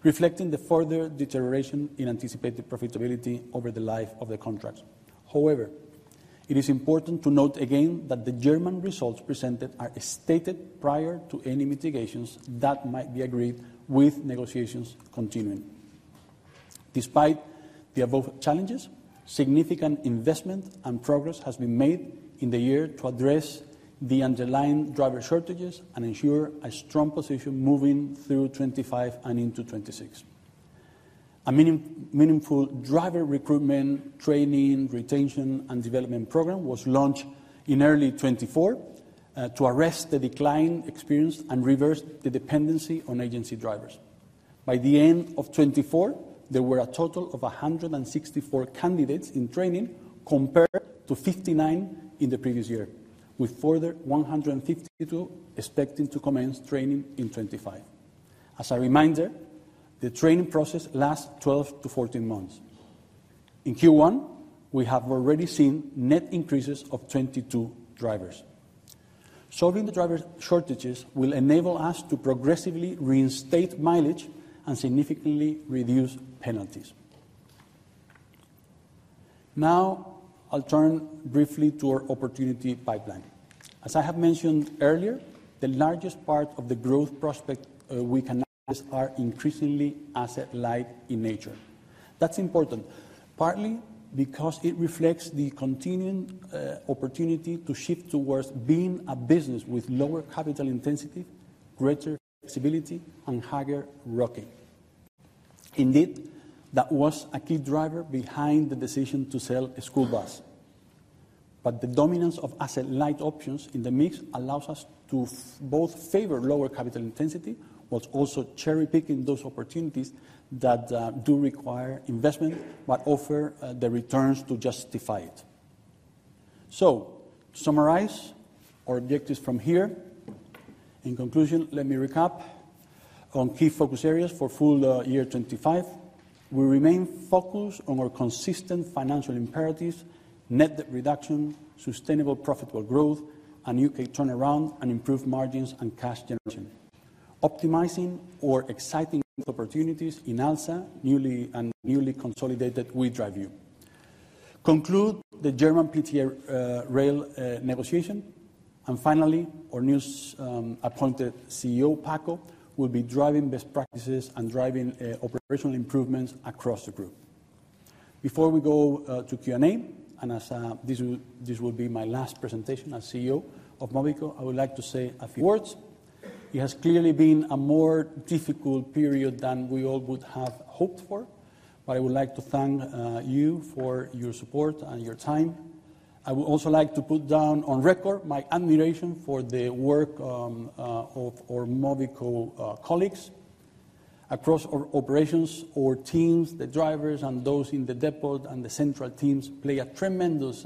reflecting the further deterioration in anticipated profitability over the life of the contracts. However, it is important to note again that the German results presented are stated prior to any mitigations that might be agreed with negotiations continuing. Despite the above challenges, significant investment and progress has been made in the year to address the underlying driver shortages and ensure a strong position moving through 2025 and into 2026. A meaningful driver recruitment, training, retention, and development program was launched in early 2024 to arrest the decline experienced and reverse the dependency on agency drivers. By the end of 2024, there were a total of 164 candidates in training compared to 59 in the previous year, with a further 152 expecting to commence training in 2025. As a reminder, the training process lasts 12 to 14 months. In Q1, we have already seen net increases of 22 drivers. Solving the driver shortages will enable us to progressively reinstate mileage and significantly reduce penalties. Now, I'll turn briefly to our opportunity pipeline. As I have mentioned earlier, the largest part of the growth prospect we can assess are increasingly asset-light in nature. That is important partly because it reflects the continuing opportunity to shift towards being a business with lower capital intensity, greater flexibility, and higher ROCE. Indeed, that was a key driver behind the decision to sell a school bus. The dominance of asset-light options in the mix allows us to both favor lower capital intensity while also cherry-picking those opportunities that do require investment but offer the returns to justify it. To summarize our objectives from here, in conclusion, let me recap on key focus areas for full year 2025. We remain focused on our consistent financial imperatives, net debt reduction, sustainable profitable growth, U.K. turnaround and improved margins and cash generation, optimizing or exciting opportunities in ALSA, newly and newly consolidated WeDriveU. Conclude the German PTA rail negotiation. Finally, our newly appointed CEO, Paco, will be driving best practices and driving operational improvements across the group. Before we go to Q&A, and as this will be my last presentation as CEO of Mobico, I would like to say a few words. It has clearly been a more difficult period than we all would have hoped for, but I would like to thank you for your support and your time. I would also like to put down on record my admiration for the work of our Mobico colleagues across our operations, our teams, the drivers, and those in the depot and the central teams play a tremendous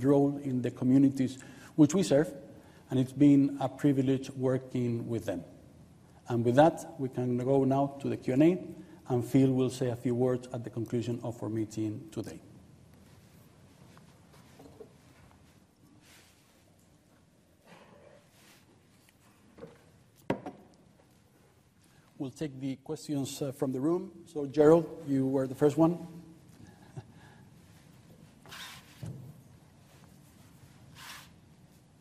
role in the communities which we serve, and it's been a privilege working with them. With that, we can go now to the Q&A, and Phil will say a few words at the conclusion of our meeting today. We'll take the questions from the room. Gerald, you were the first one.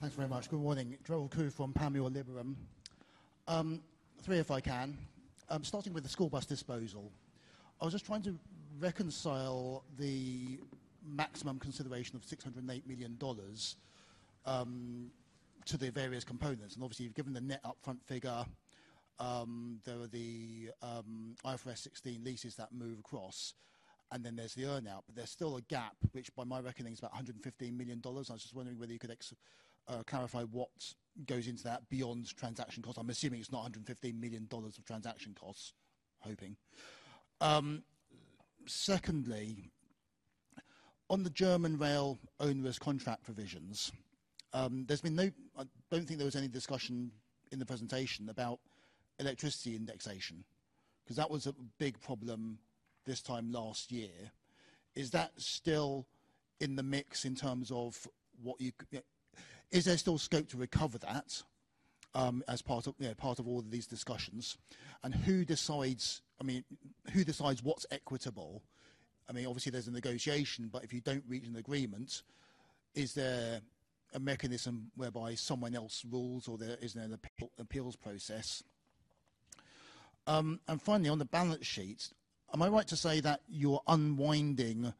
Thanks very much. Good morning. Gerald Khoo from Panmure Liberum. Three if I can. Starting with the school bus disposal, I was just trying to reconcile the maximum consideration of $608 million to the various components. Obviously, you've given the net upfront figure. There are the IFRS 16 leases that move across, and then there's the earnout, but there's still a gap, which by my reckoning is about $115 million. I was just wondering whether you could clarify what goes into that beyond transaction costs. I'm assuming it's not $115 million of transaction costs, hoping. Secondly, on the German rail onerous contract provisions, there's been no—I don't think there was any discussion in the presentation about electricity indexation because that was a big problem this time last year. Is that still in the mix in terms of what you—is there still scope to recover that as part of all of these discussions? Who decides—I mean, who decides what's equitable? I mean, obviously, there's a negotiation, but if you don't reach an agreement, is there a mechanism whereby someone else rules or is there an appeals process? Finally, on the balance sheet, am I right to say that you're unwinding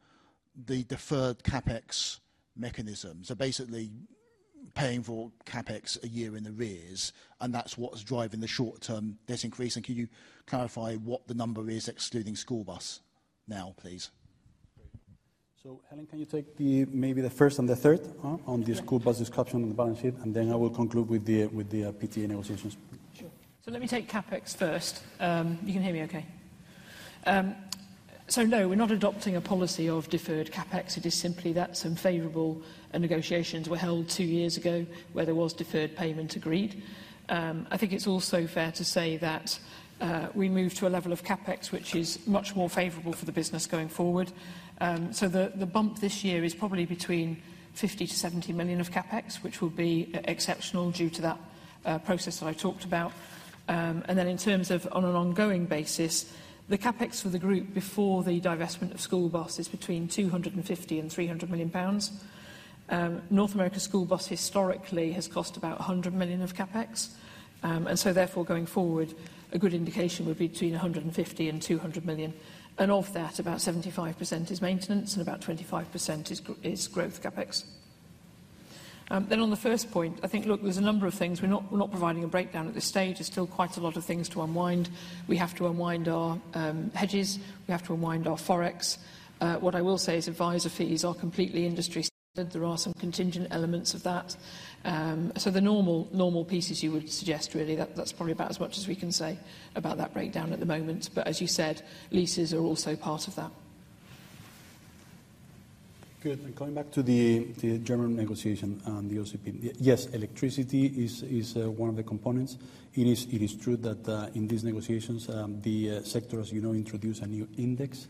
the deferred CapEx mechanism? Basically paying for CapEx a year in the rears, and that's what's driving the short-term disincrease. Can you clarify what the number is excluding school bus now, please? Helen, can you take maybe the first and the third on the school bus discussion on the balance sheet, and then I will conclude with the PTA negotiations? Sure. Let me take CapEx first. You can hear me okay? No, we're not adopting a policy of deferred CapEx. It is simply that some favorable negotiations were held two years ago where there was deferred payment agreed. I think it's also fair to say that we moved to a level of CapEx which is much more favorable for the business going forward. The bump this year is probably between $50-$70 million of CapEx, which will be exceptional due to that process that I've talked about. In terms of on an ongoing basis, the CapEx for the group before the divestment of school bus is between 250-300 million pounds. North America School Bus historically has cost about 100 million of CapEx. Therefore, going forward, a good indication would be between 150-200 million. Of that, about 75% is maintenance and about 25% is growth CapEx. On the first point, I think, look, there's a number of things. We're not providing a breakdown at this stage. There's still quite a lot of things to unwind. We have to unwind our hedges. We have to unwind our Forex. What I will say is advisor fees are completely industry standard. There are some contingent elements of that. The normal pieces you would suggest, really, that's probably about as much as we can say about that breakdown at the moment. As you said, leases are also part of that. Good. Coming back to the German negotiation and the Onerous Contract Provision, yes, electricity is one of the components. It is true that in these negotiations, the sector, as you know, introduced a new index.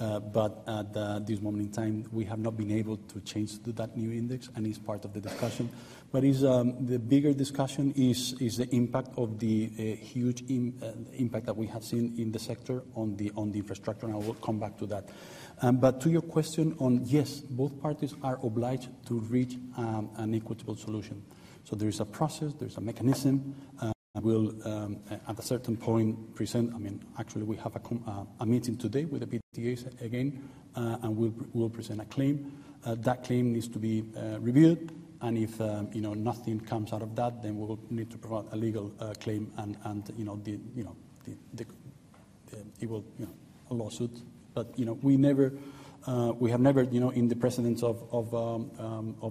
At this moment in time, we have not been able to change that new index, and it is part of the discussion. The bigger discussion is the impact, the huge impact that we have seen in the sector on the infrastructure, and I will come back to that. To your question, yes, both parties are obliged to reach an equitable solution. There is a process, there is a mechanism. We will, at a certain point, present—I mean, actually, we have a meeting today with the PTAs again, and we will present a claim. That claim needs to be reviewed, and if nothing comes out of that, we will need to provide a legal claim, and it will be a lawsuit. We have never in the precedence of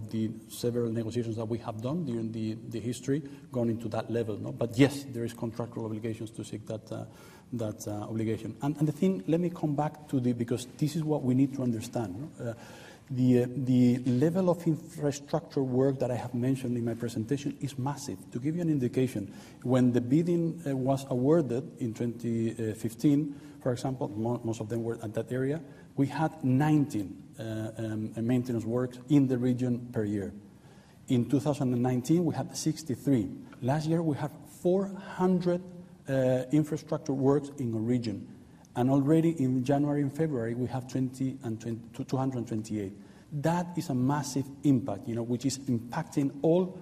the several negotiations that we have done during the history gone into that level. Yes, there are contractual obligations to seek that obligation. The thing, let me come back to the—because this is what we need to understand. The level of infrastructure work that I have mentioned in my presentation is massive. To give you an indication, when the bidding was awarded in 2015, for example, most of them were at that area, we had 19 maintenance works in the region per year. In 2019, we had 63. Last year, we had 400 infrastructure works in the region. Already in January and February, we have 228. That is a massive impact, which is impacting all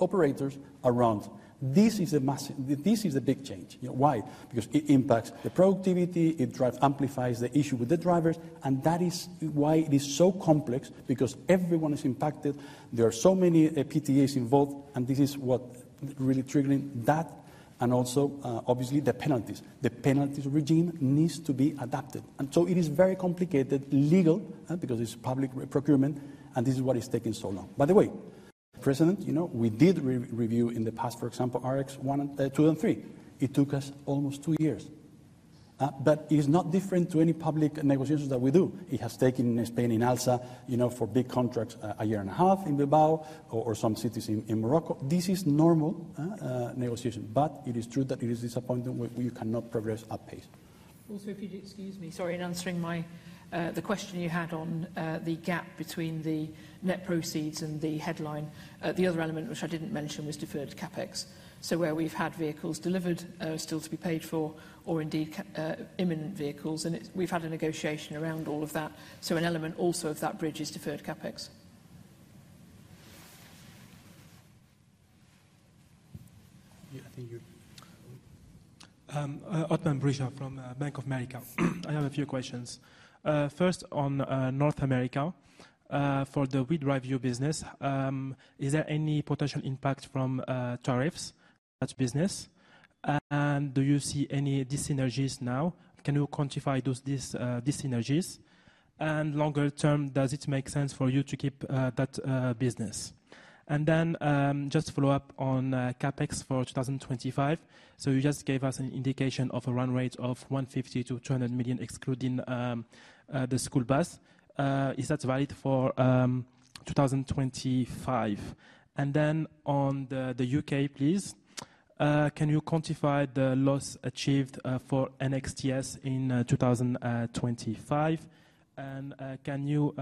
operators around. This is the big change. Why? Because it impacts the productivity, it amplifies the issue with the drivers, and that is why it is so complex because everyone is impacted. There are so many PTAs involved, and this is what really triggers that. Also, obviously, the penalties. The penalties regime needs to be adapted. It is very complicated legal because it's public procurement, and this is what is taking so long. By the way, President, we did review in the past, for example, RX1, 2, and 3. It took us almost two years. It is not different to any public negotiations that we do. It has taken Spain and ALSA for big contracts a year and a half in Bilbao or some cities in Morocco. This is normal negotiation, but it is true that it is disappointing when you cannot progress at pace. Also, if you'd excuse me, sorry, in answering the question you had on the gap between the net proceeds and the headline, the other element which I didn't mention was deferred CapEx. Where we've had vehicles delivered still to be paid for or indeed imminent vehicles, and we've had a negotiation around all of that. An element also of that bridge is deferred CapEx. I think you're good. Othmane Bricha from Bank of America. I have a few questions. First, on North America, for the WeDriveU business, is there any potential impact from tariffs on that business? Do you see any synergies now? Can you quantify these synergies? Longer term, does it make sense for you to keep that business? Just follow up on CapEx for 2025. You just gave us an indication of a run rate of 150 million-200 million excluding the school bus. Is that valid for 2025? On the U.K., please, can you quantify the loss achieved for NXTS in 2025? Can you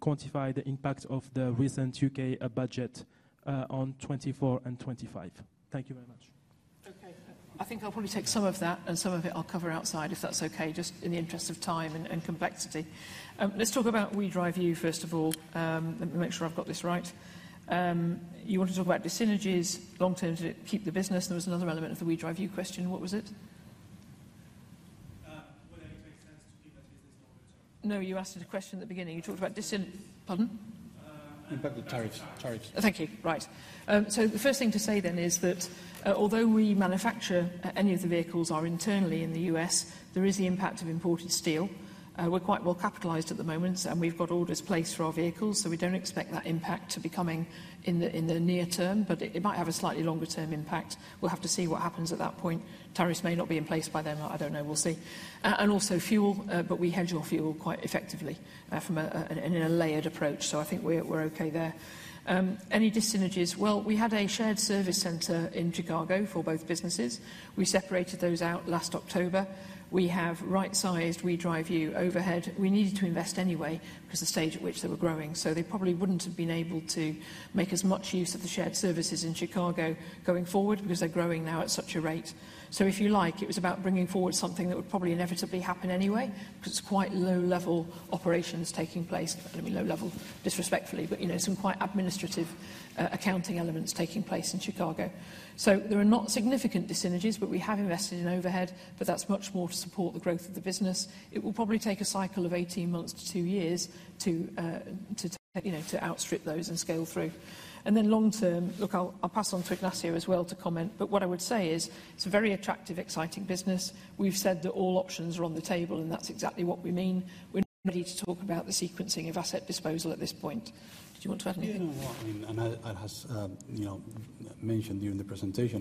quantify the impact of the recent U.K. budget on 2024 and 2025? Thank you very much. Okay. I think I'll probably take some of that, and some of it I'll cover outside if that's okay, just in the interest of time and complexity. Let's talk about Withdraw view, first of all. Let me make sure I've got this right. You want to talk about the synergies, long-term to keep the business. There was another element of the Withdraw view question. What was it? Would anything make sense to keep that business longer term? No, you asked a question at the beginning. You talked about—pardon? Impact of tariffs. Tariffs. Thank you. Right. The first thing to say then is that although we manufacture any of the vehicles internally in the U.S., there is the impact of imported steel. We're quite well capitalized at the moment, and we've got orders placed for our vehicles, so we don't expect that impact to be coming in the near term, but it might have a slightly longer-term impact. We'll have to see what happens at that point. Tariffs may not be in place by then. I don't know. We'll see. Also fuel, but we hedge our fuel quite effectively in a layered approach. I think we're okay there. Any synergies? We had a shared service center in Chicago for both businesses. We separated those out last October. We have right-sized WeDriveU overhead. We needed to invest anyway because of the stage at which they were growing. They probably wouldn't have been able to make as much use of the shared services in Chicago going forward because they're growing now at such a rate. If you like, it was about bringing forward something that would probably inevitably happen anyway because it's quite low-level operations taking place. I mean, low-level, disrespectfully, but some quite administrative accounting elements taking place in Chicago. There are not significant synergies, but we have invested in overhead, but that's much more to support the growth of the business. It will probably take a cycle of 18 months to two years to outstrip those and scale through. Long-term, look, I'll pass on to Ignacio as well to comment, but what I would say is it's a very attractive, exciting business. We've said that all options are on the table, and that's exactly what we mean. We're not ready to talk about the sequencing of asset disposal at this point. Did you want to add anything? You know what? I mean, as I mentioned during the presentation,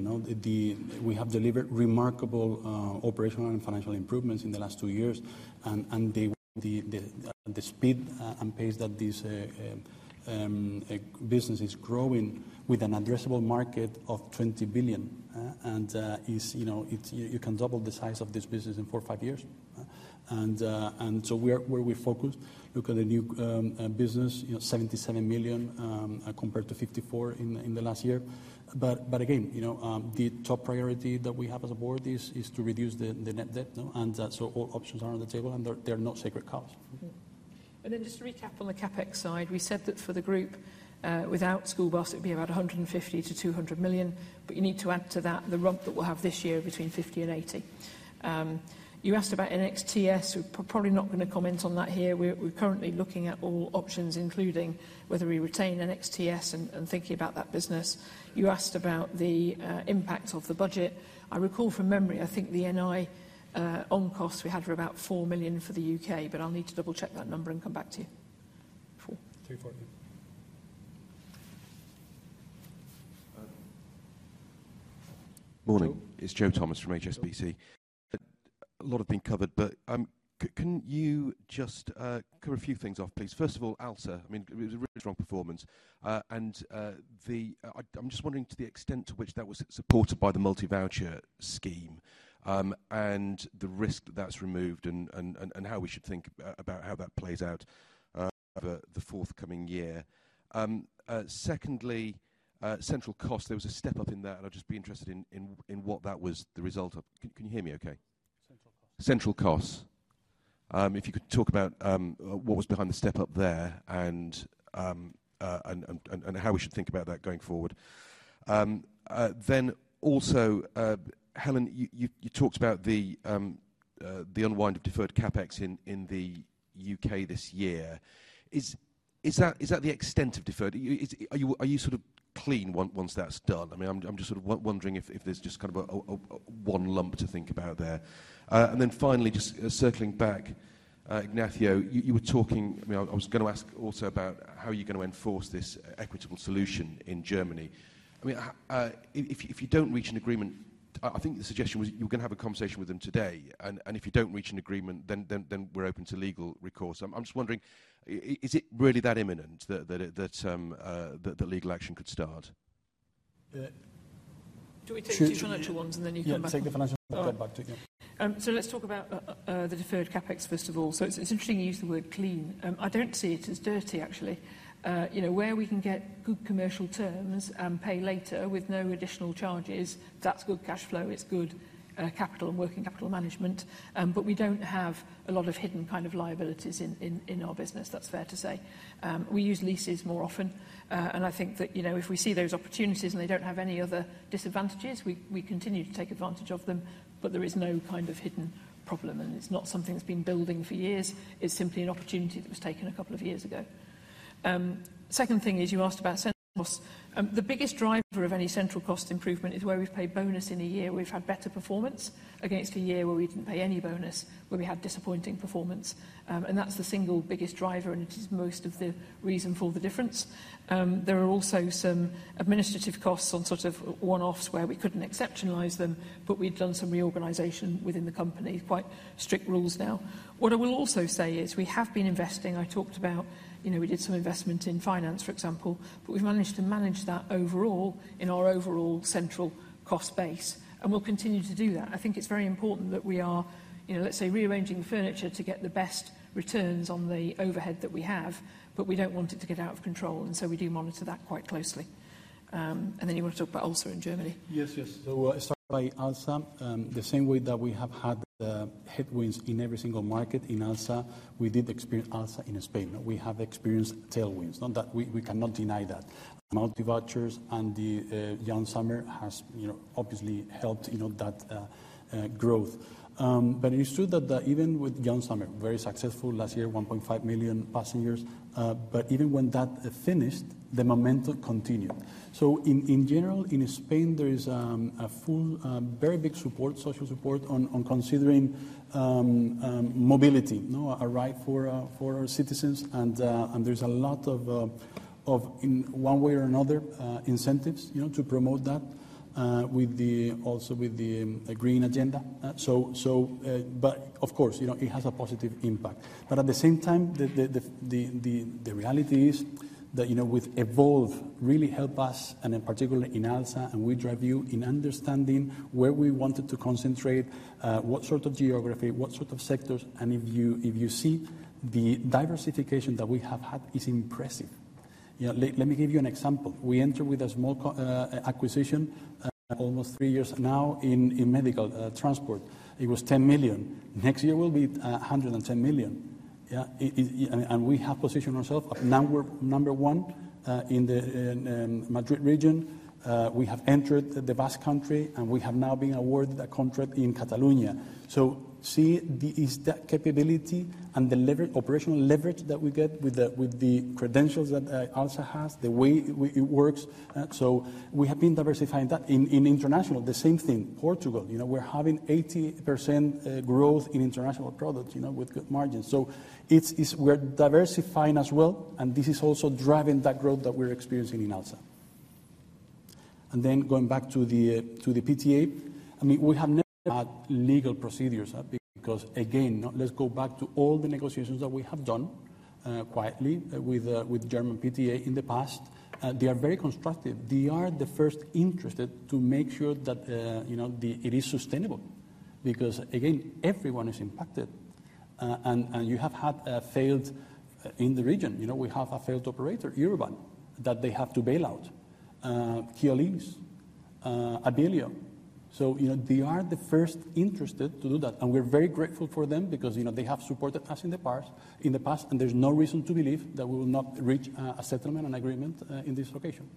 we have delivered remarkable operational and financial improvements in the last two years. The speed and pace that this business is growing with an addressable market of $20 billion, you can double the size of this business in four or five years. Where we focus, look at the new business, $77 million compared to $54 million in the last year. Again, the top priority that we have as a board is to reduce the net debt. All options are on the table, and they're not sacred cows. Just to recap on the CapEx side, we said that for the group, without school bus, it'd be about $150-$200 million, but you need to add to that the rump that we'll have this year between $50 and $80. You asked about NXTS. We're probably not going to comment on that here. We're currently looking at all options, including whether we retain NXTS and think about that business. You asked about the impact of the budget. I recall from memory, I think the NI on costs we had were about $4 million for the U.K., but I'll need to double-check that number and come back to you. Three for you. Morning. It's Joe Thomas from HSBC. A lot has been covered, but can you just cover a few things off, please? First of all, ALSA. I mean, it was a really strong performance. I'm just wondering to the extent to which that was supported by the multi-voucher scheme and the risk that that's removed and how we should think about how that plays out for the forthcoming year. Secondly, central costs. There was a step up in that, and I'd just be interested in what that was the result of. Can you hear me okay? Central costs. Central costs. If you could talk about what was behind the step up there and how we should think about that going forward. Also, Helen, you talked about the unwind of deferred CapEx in the U.K. this year. Is that the extent of deferred? Are you sort of clean once that's done? I mean, I'm just sort of wondering if there's just kind of one lump to think about there. Finally, just circling back, Ignacio, you were talking—I mean, I was going to ask also about how you're going to enforce this equitable solution in Germany. I mean, if you don't reach an agreement, I think the suggestion was you were going to have a conversation with them today. If you don't reach an agreement, then we're open to legal recourse. I'm just wondering, is it really that imminent that legal action could start? Do we take the financial ones and then you come back? Yeah, take the financial ones and come back to it. Let's talk about the deferred CapEx, first of all. It's interesting you use the word clean. I don't see it as dirty, actually. Where we can get good commercial terms and pay later with no additional charges, that's good cash flow. It's good capital and working capital management. We don't have a lot of hidden kind of liabilities in our business, that's fair to say. We use leases more often. I think that if we see those opportunities and they don't have any other disadvantages, we continue to take advantage of them. There is no kind of hidden problem, and it's not something that's been building for years. It's simply an opportunity that was taken a couple of years ago. The second thing is you asked about central costs. The biggest driver of any central cost improvement is where we've paid bonus in a year where we've had better performance against a year where we didn't pay any bonus, where we had disappointing performance. That's the single biggest driver, and it is most of the reason for the difference. There are also some administrative costs on sort of one-offs where we couldn't exceptionalize them, but we've done some reorganization within the company. Quite strict rules now. What I will also say is we have been investing. I talked about we did some investment in finance, for example, but we've managed to manage that overall in our overall central cost base. We'll continue to do that. I think it's very important that we are, let's say, rearranging the furniture to get the best returns on the overhead that we have, but we don't want it to get out of control. We do monitor that quite closely. You want to talk about ALSA in Germany. Yes, yes. Starting by ALSA, the same way that we have had headwinds in every single market in ALSA, we did experience ALSA in Spain. We have experienced tailwinds. We cannot deny that. Multi-vouchers and the young summer has obviously helped that growth. It is true that even with young summer, very successful last year, 1.5 million passengers. Even when that finished, the momentum continued. In general, in Spain, there is a full, very big support, social support on considering mobility, a right for our citizens. There is a lot of, in one way or another, incentives to promote that also with the green agenda. Of course, it has a positive impact. At the same time, the reality is that with Evolve really helped us, and in particular in ALSA and WeDriveU in understanding where we wanted to concentrate, what sort of geography, what sort of sectors. If you see the diversification that we have had, it's impressive. Let me give you an example. We entered with a small acquisition almost three years now in medical transport. It was 10 million. Next year, we'll be 110 million. We have positioned ourselves. Now we're number one in the Madrid region. We have entered the Basque Country, and we have now been awarded a contract in Catalonia. See that capability and the operational leverage that we get with the credentials that ALSA has, the way it works. We have been diversifying that. In international, the same thing. Portugal, we're having 80% growth in international products with good margins. We're diversifying as well, and this is also driving that growth that we're experiencing in ALSA. Going back to the PTA, I mean, we have never had legal procedures because, again, let's go back to all the negotiations that we have done quietly with German PTA in the past. They are very constructive. They are the first interested to make sure that it is sustainable because, again, everyone is impacted. You have had failed in the region. We have a failed operator, Eurobahn, that they have to bail out, Keolis, Abellio. They are the first interested to do that. We're very grateful for them because they have supported us in the past, and there's no reason to believe that we will not reach a settlement and agreement in this location.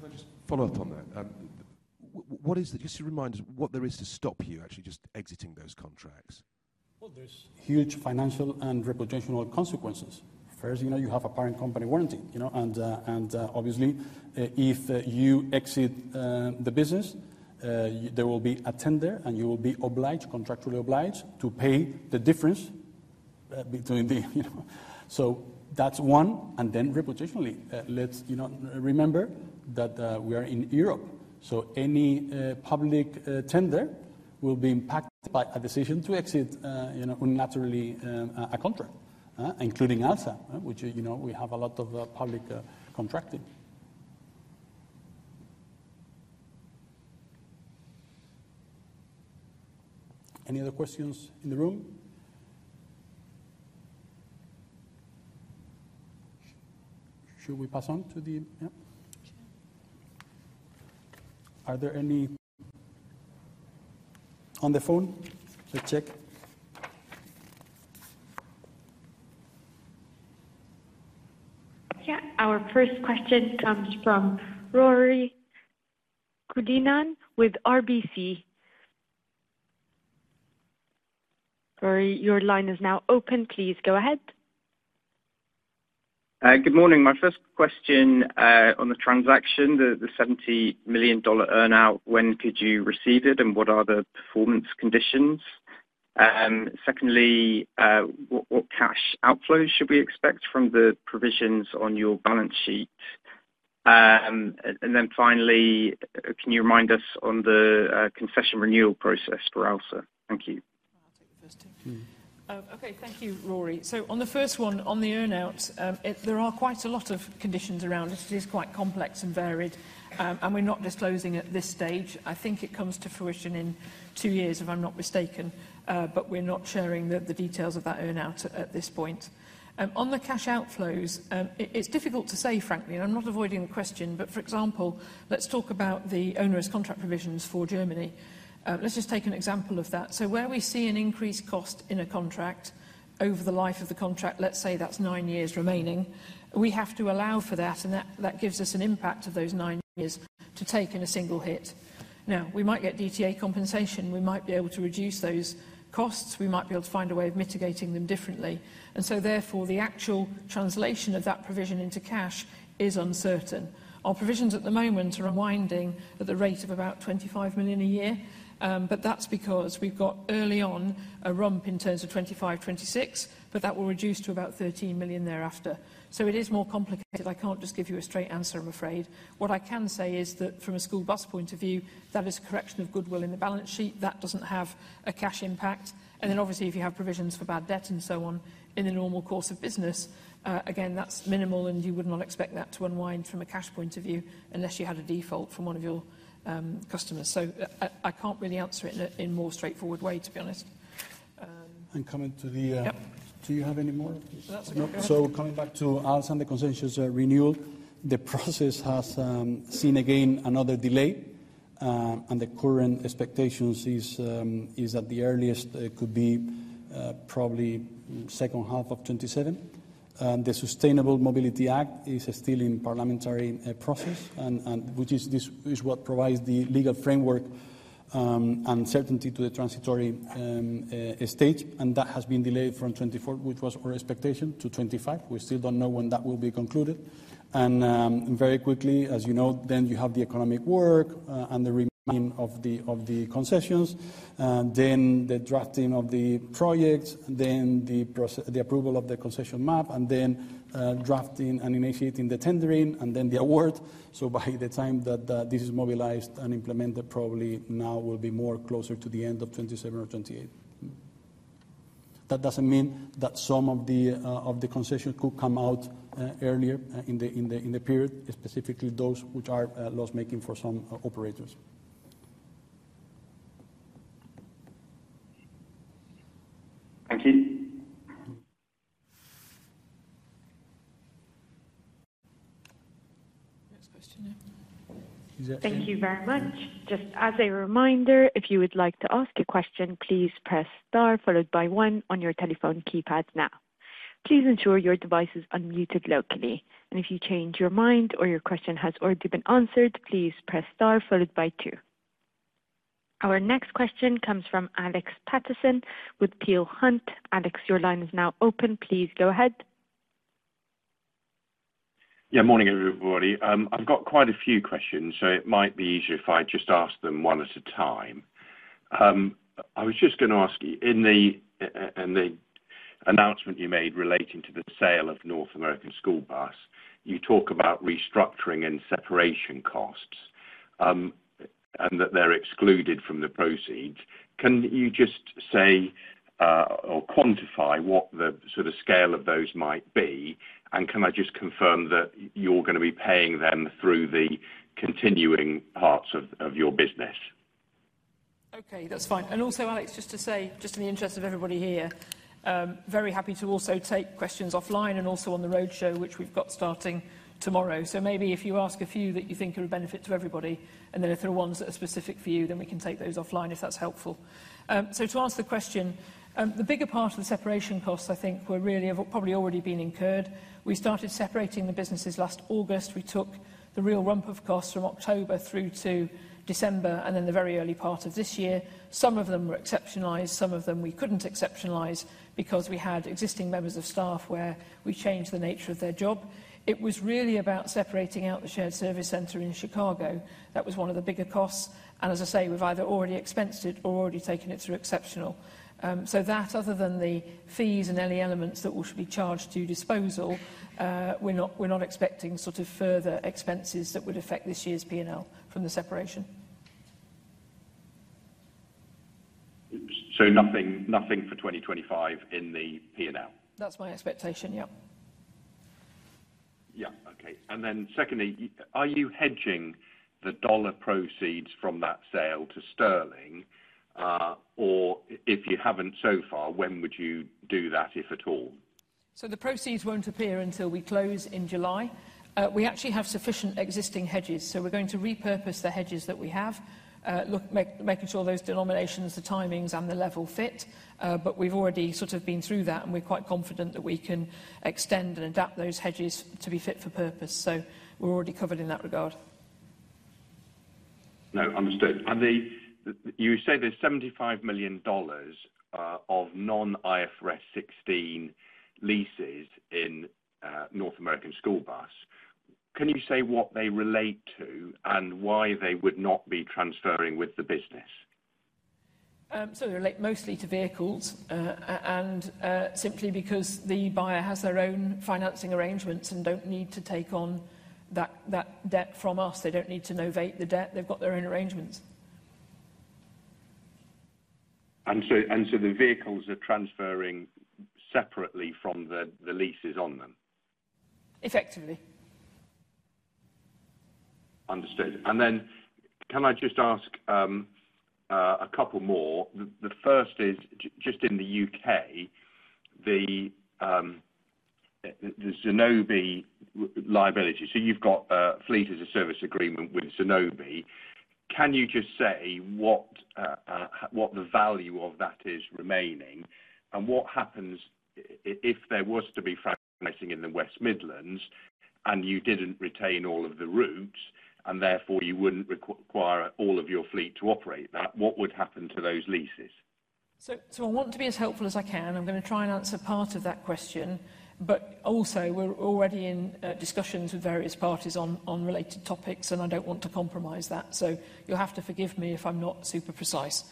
Can I just follow up on that? Just to remind us what there is to stop you actually just exiting those contracts? There are huge financial and reputational consequences. First, you have a parent company warranty. Obviously, if you exit the business, there will be a tender, and you will be contractually obliged to pay the difference between the—so that's one. Reputationally, let's remember that we are in Europe. Any public tender will be impacted by a decision to exit unilaterally a contract, including ALSA, which has a lot of public contracting. Any other questions in the room? Should we pass on to the—are there any on the phone? Let's check. Yeah. Our first question comes from Ruairi Cullinane with RBC. Ruairi, your line is now open. Please go ahead. Good morning. My first question on the transaction, the $70 million earnout, when could you receive it, and what are the performance conditions? Secondly, what cash outflows should we expect from the provisions on your balance sheet? Finally, can you remind us on the concession renewal process for ALSA? Thank you. I'll take the first two. Okay. Thank you, Rory. On the first one, on the earnouts, there are quite a lot of conditions around. It is quite complex and varied, and we're not disclosing at this stage. I think it comes to fruition in two years, if I'm not mistaken, but we're not sharing the details of that earnout at this point. On the cash outflows, it's difficult to say, frankly, and I'm not avoiding the question, but for example, let's talk about the onerous contract provisions for Germany. Let's just take an example of that. Where we see an increased cost in a contract over the life of the contract, let's say that's nine years remaining, we have to allow for that, and that gives us an impact of those nine years to take in a single hit. Now, we might get DTA compensation. We might be able to reduce those costs. We might be able to find a way of mitigating them differently. Therefore, the actual translation of that provision into cash is uncertain. Our provisions at the moment are unwinding at the rate of about $25 million a year, but that's because we've got early on a rump in terms of $25 million, $26 million, but that will reduce to about $13 million thereafter. It is more complicated. I can't just give you a straight answer, I'm afraid. What I can say is that from a school bus point of view, that is a correction of goodwill in the balance sheet. That doesn't have a cash impact. If you have provisions for bad debt and so on in the normal course of business, again, that's minimal, and you would not expect that to unwind from a cash point of view unless you had a default from one of your customers. I can't really answer it in a more straightforward way, to be honest. Coming to the—do you have any more? No. Coming back to ALSA and the consensus renewal, the process has seen again another delay, and the current expectation is that the earliest could be probably the second half of 2027. The Sustainable Mobility Act is still in parliamentary process, which is what provides the legal framework and certainty to the transitory stage. That has been delayed from 2024, which was our expectation, to 2025. We still do not know when that will be concluded. Very quickly, as you know, then you have the economic work and the renewing of the concessions, then the drafting of the projects, then the approval of the concession map, and then drafting and initiating the tendering, and then the award. By the time that this is mobilized and implemented, probably now will be more closer to the end of 2027 or 2028. That doesn't mean that some of the concessions could come out earlier in the period, specifically those which are loss-making for some operators. Thank you. Next question now. Thank you very much. Just as a reminder, if you would like to ask a question, please press star followed by one on your telephone keypad now. Please ensure your device is unmuted locally. If you change your mind or your question has already been answered, please press star followed by two. Our next question comes from Alex Paterson with Peel Hunt. Alex, your line is now open. Please go ahead. Yeah, morning, everybody. I've got quite a few questions, so it might be easier if I just ask them one at a time. I was just going to ask you, in the announcement you made relating to the sale of North America School Bus, you talk about restructuring and separation costs and that they're excluded from the proceeds. Can you just say or quantify what the sort of scale of those might be? Can I just confirm that you're going to be paying them through the continuing parts of your business? Okay, that's fine. Also, Alex, just to say, just in the interest of everybody here, very happy to also take questions offline and also on the roadshow, which we've got starting tomorrow. Maybe if you ask a few that you think would benefit to everybody, and then if there are ones that are specific for you, we can take those offline if that's helpful. To answer the question, the bigger part of the separation costs, I think, really have probably already been incurred. We started separating the businesses last August. We took the real rump of costs from October through to December and then the very early part of this year. Some of them were exceptionalized. Some of them we couldn't exceptionalize because we had existing members of staff where we changed the nature of their job. It was really about separating out the shared service center in Chicago. That was one of the bigger costs. As I say, we've either already expensed it or already taken it through exceptional. Other than the fees and any elements that will be charged to disposal, we're not expecting sort of further expenses that would affect this year's P&L from the separation. Nothing for 2025 in the P&L? That's my expectation, yeah. Yeah, okay. Secondly, are you hedging the dollar proceeds from that sale to sterling? If you haven't so far, when would you do that, if at all? The proceeds won't appear until we close in July. We actually have sufficient existing hedges, so we're going to repurpose the hedges that we have, making sure those denominations, the timings, and the level fit. We've already sort of been through that, and we're quite confident that we can extend and adapt those hedges to be fit for purpose. We're already covered in that regard. No, understood. You say there's $75 million of non-IFRS 16 leases in North America School Bus. Can you say what they relate to and why they would not be transferring with the business? They relate mostly to vehicles and simply because the buyer has their own financing arrangements and do not need to take on that debt from us. They do not need to novate the debt. They have got their own arrangements. The vehicles are transferring separately from the leases on them? Effectively. Understood. Can I just ask a couple more? The first is just in the U.K., the Zenobi liability. You have a fleet as a service agreement with Zenobi. Can you just say what the value of that is remaining? What happens if there was to be franchising in the West Midlands and you did not retain all of the routes and therefore you would not require all of your fleet to operate that? What would happen to those leases? I want to be as helpful as I can. I'm going to try and answer part of that question, but also we're already in discussions with various parties on related topics, and I don't want to compromise that. You'll have to forgive me if I'm not super precise.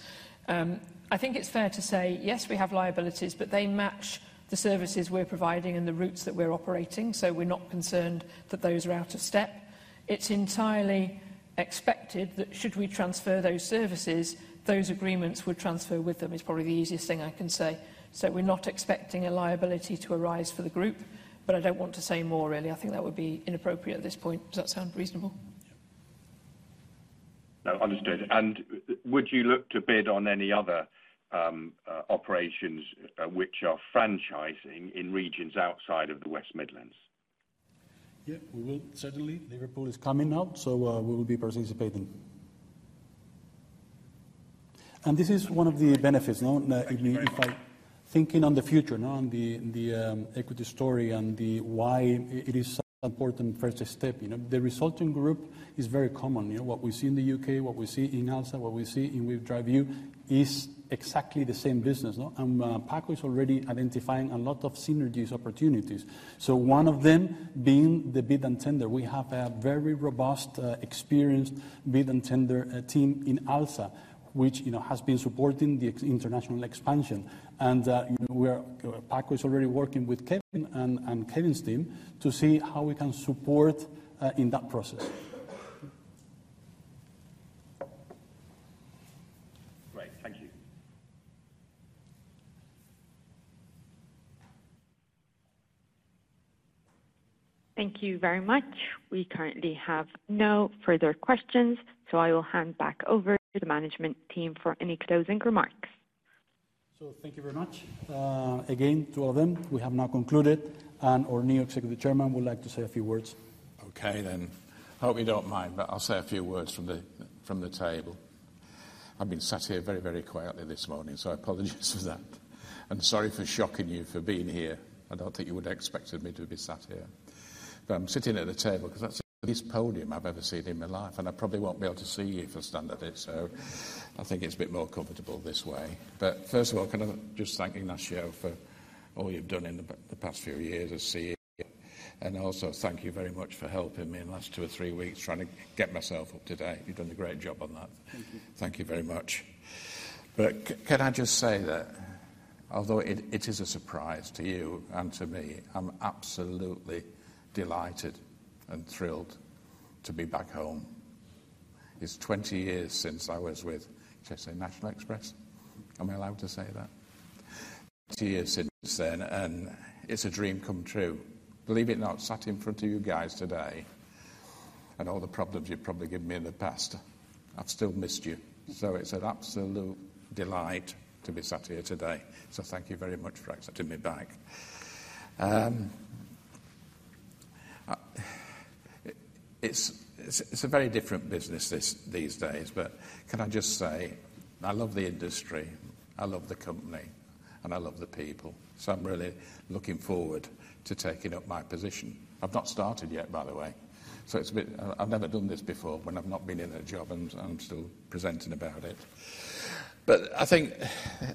I think it's fair to say, yes, we have liabilities, but they match the services we're providing and the routes that we're operating, so we're not concerned that those are out of step. It's entirely expected that should we transfer those services, those agreements would transfer with them. It's probably the easiest thing I can say. We're not expecting a liability to arise for the group, but I don't want to say more, really. I think that would be inappropriate at this point. Does that sound reasonable? Understood. Would you look to bid on any other operations which are franchising in regions outside of the West Midlands? Yeah, we will certainly. Liverpool is coming now, so we will be participating. This is one of the benefits. Thinking on the future, on the equity story and why it is such an important first step, the resulting group is very common. What we see in the U.K., what we see in ALSA, what we see in WeDriveU is exactly the same business. Paco is already identifying a lot of synergies opportunities. One of them being the bid and tender. We have a very robust, experienced bid and tender team in ALSA, which has been supporting the international expansion. Paco is already working with Kevin and Kevin's team to see how we can support in that process. Great. Thank you. Thank you very much. We currently have no further questions, so I will hand back over to the management team for any closing remarks. Thank you very much. Again, to all of them, we have now concluded, and our new Executive Chairman would like to say a few words. Okay, then. I hope you don't mind, but I'll say a few words from the table. I've been sat here very, very quietly this morning, so I apologize for that. Sorry for shocking you for being here. I don't think you would have expected me to be sat here. I'm sitting at a table because that's the best podium I've ever seen in my life, and I probably won't be able to see you if I stand at it, so I think it's a bit more comfortable this way. First of all, can I just thank Ignacio for all you've done in the past few years as CEO? Also, thank you very much for helping me in the last two or three weeks trying to get myself up to date. You've done a great job on that. Thank you very much. Can I just say that, although it is a surprise to you and to me, I'm absolutely delighted and thrilled to be back home. It's 20 years since I was with National Express. Am I allowed to say that? 20 years since then, and it's a dream come true. Believe it or not, sat in front of you guys today and all the problems you've probably given me in the past, I've still missed you. It's an absolute delight to be sat here today. Thank you very much for accepting me back. It's a very different business these days. Can I just say I love the industry, I love the company, and I love the people. I'm really looking forward to taking up my position. I've not started yet, by the way. I've never done this before when I've not been in a job and I'm still presenting about it. I think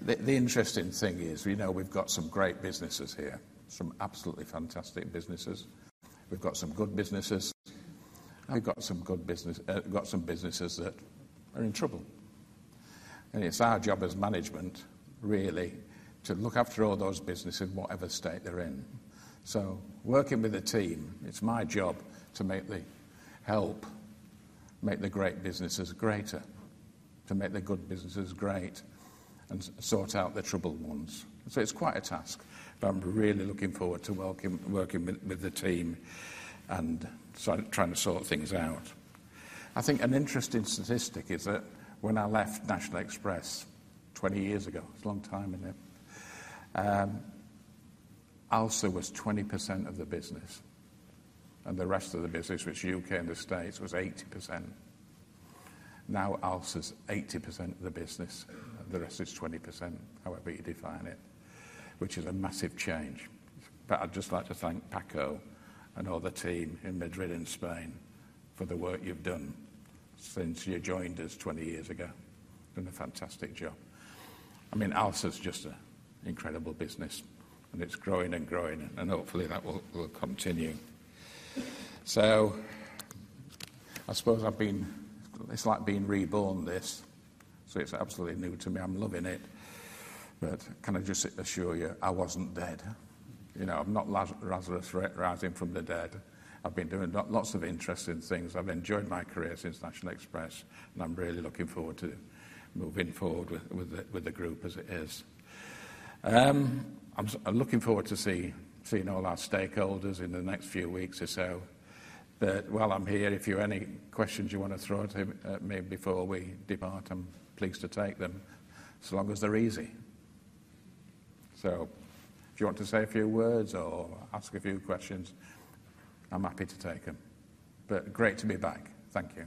the interesting thing is we've got some great businesses here, some absolutely fantastic businesses. We've got some good businesses. We've got some businesses that are in trouble. It's our job as management, really, to look after all those businesses in whatever state they're in. Working with a team, it's my job to help make the great businesses greater, to make the good businesses great, and sort out the troubled ones. It's quite a task, but I'm really looking forward to working with the team and trying to sort things out. I think an interesting statistic is that when I left National Express 20 years ago, it's a long time, isn't it? ALSA was 20% of the business, and the rest of the business, which is U.K. and the States, was 80%. Now ALSA is 80% of the business, and the rest is 20%, however you define it, which is a massive change. I would just like to thank Paco and all the team in Madrid and Spain for the work you've done since you joined us 20 years ago. It's been a fantastic job. I mean, ALSA is just an incredible business, and it's growing and growing, and hopefully that will continue. I suppose I've been—it's like being reborn this. It is absolutely new to me. I'm loving it. Can I just assure you I wasn't dead? I'm not rather a threat rising from the dead. I've been doing lots of interesting things. I've enjoyed my career since National Express, and I'm really looking forward to moving forward with the group as it is. I'm looking forward to seeing all our stakeholders in the next few weeks or so. While I'm here, if you have any questions you want to throw at me before we depart, I'm pleased to take them as long as they're easy. If you want to say a few words or ask a few questions, I'm happy to take them. Great to be back. Thank you.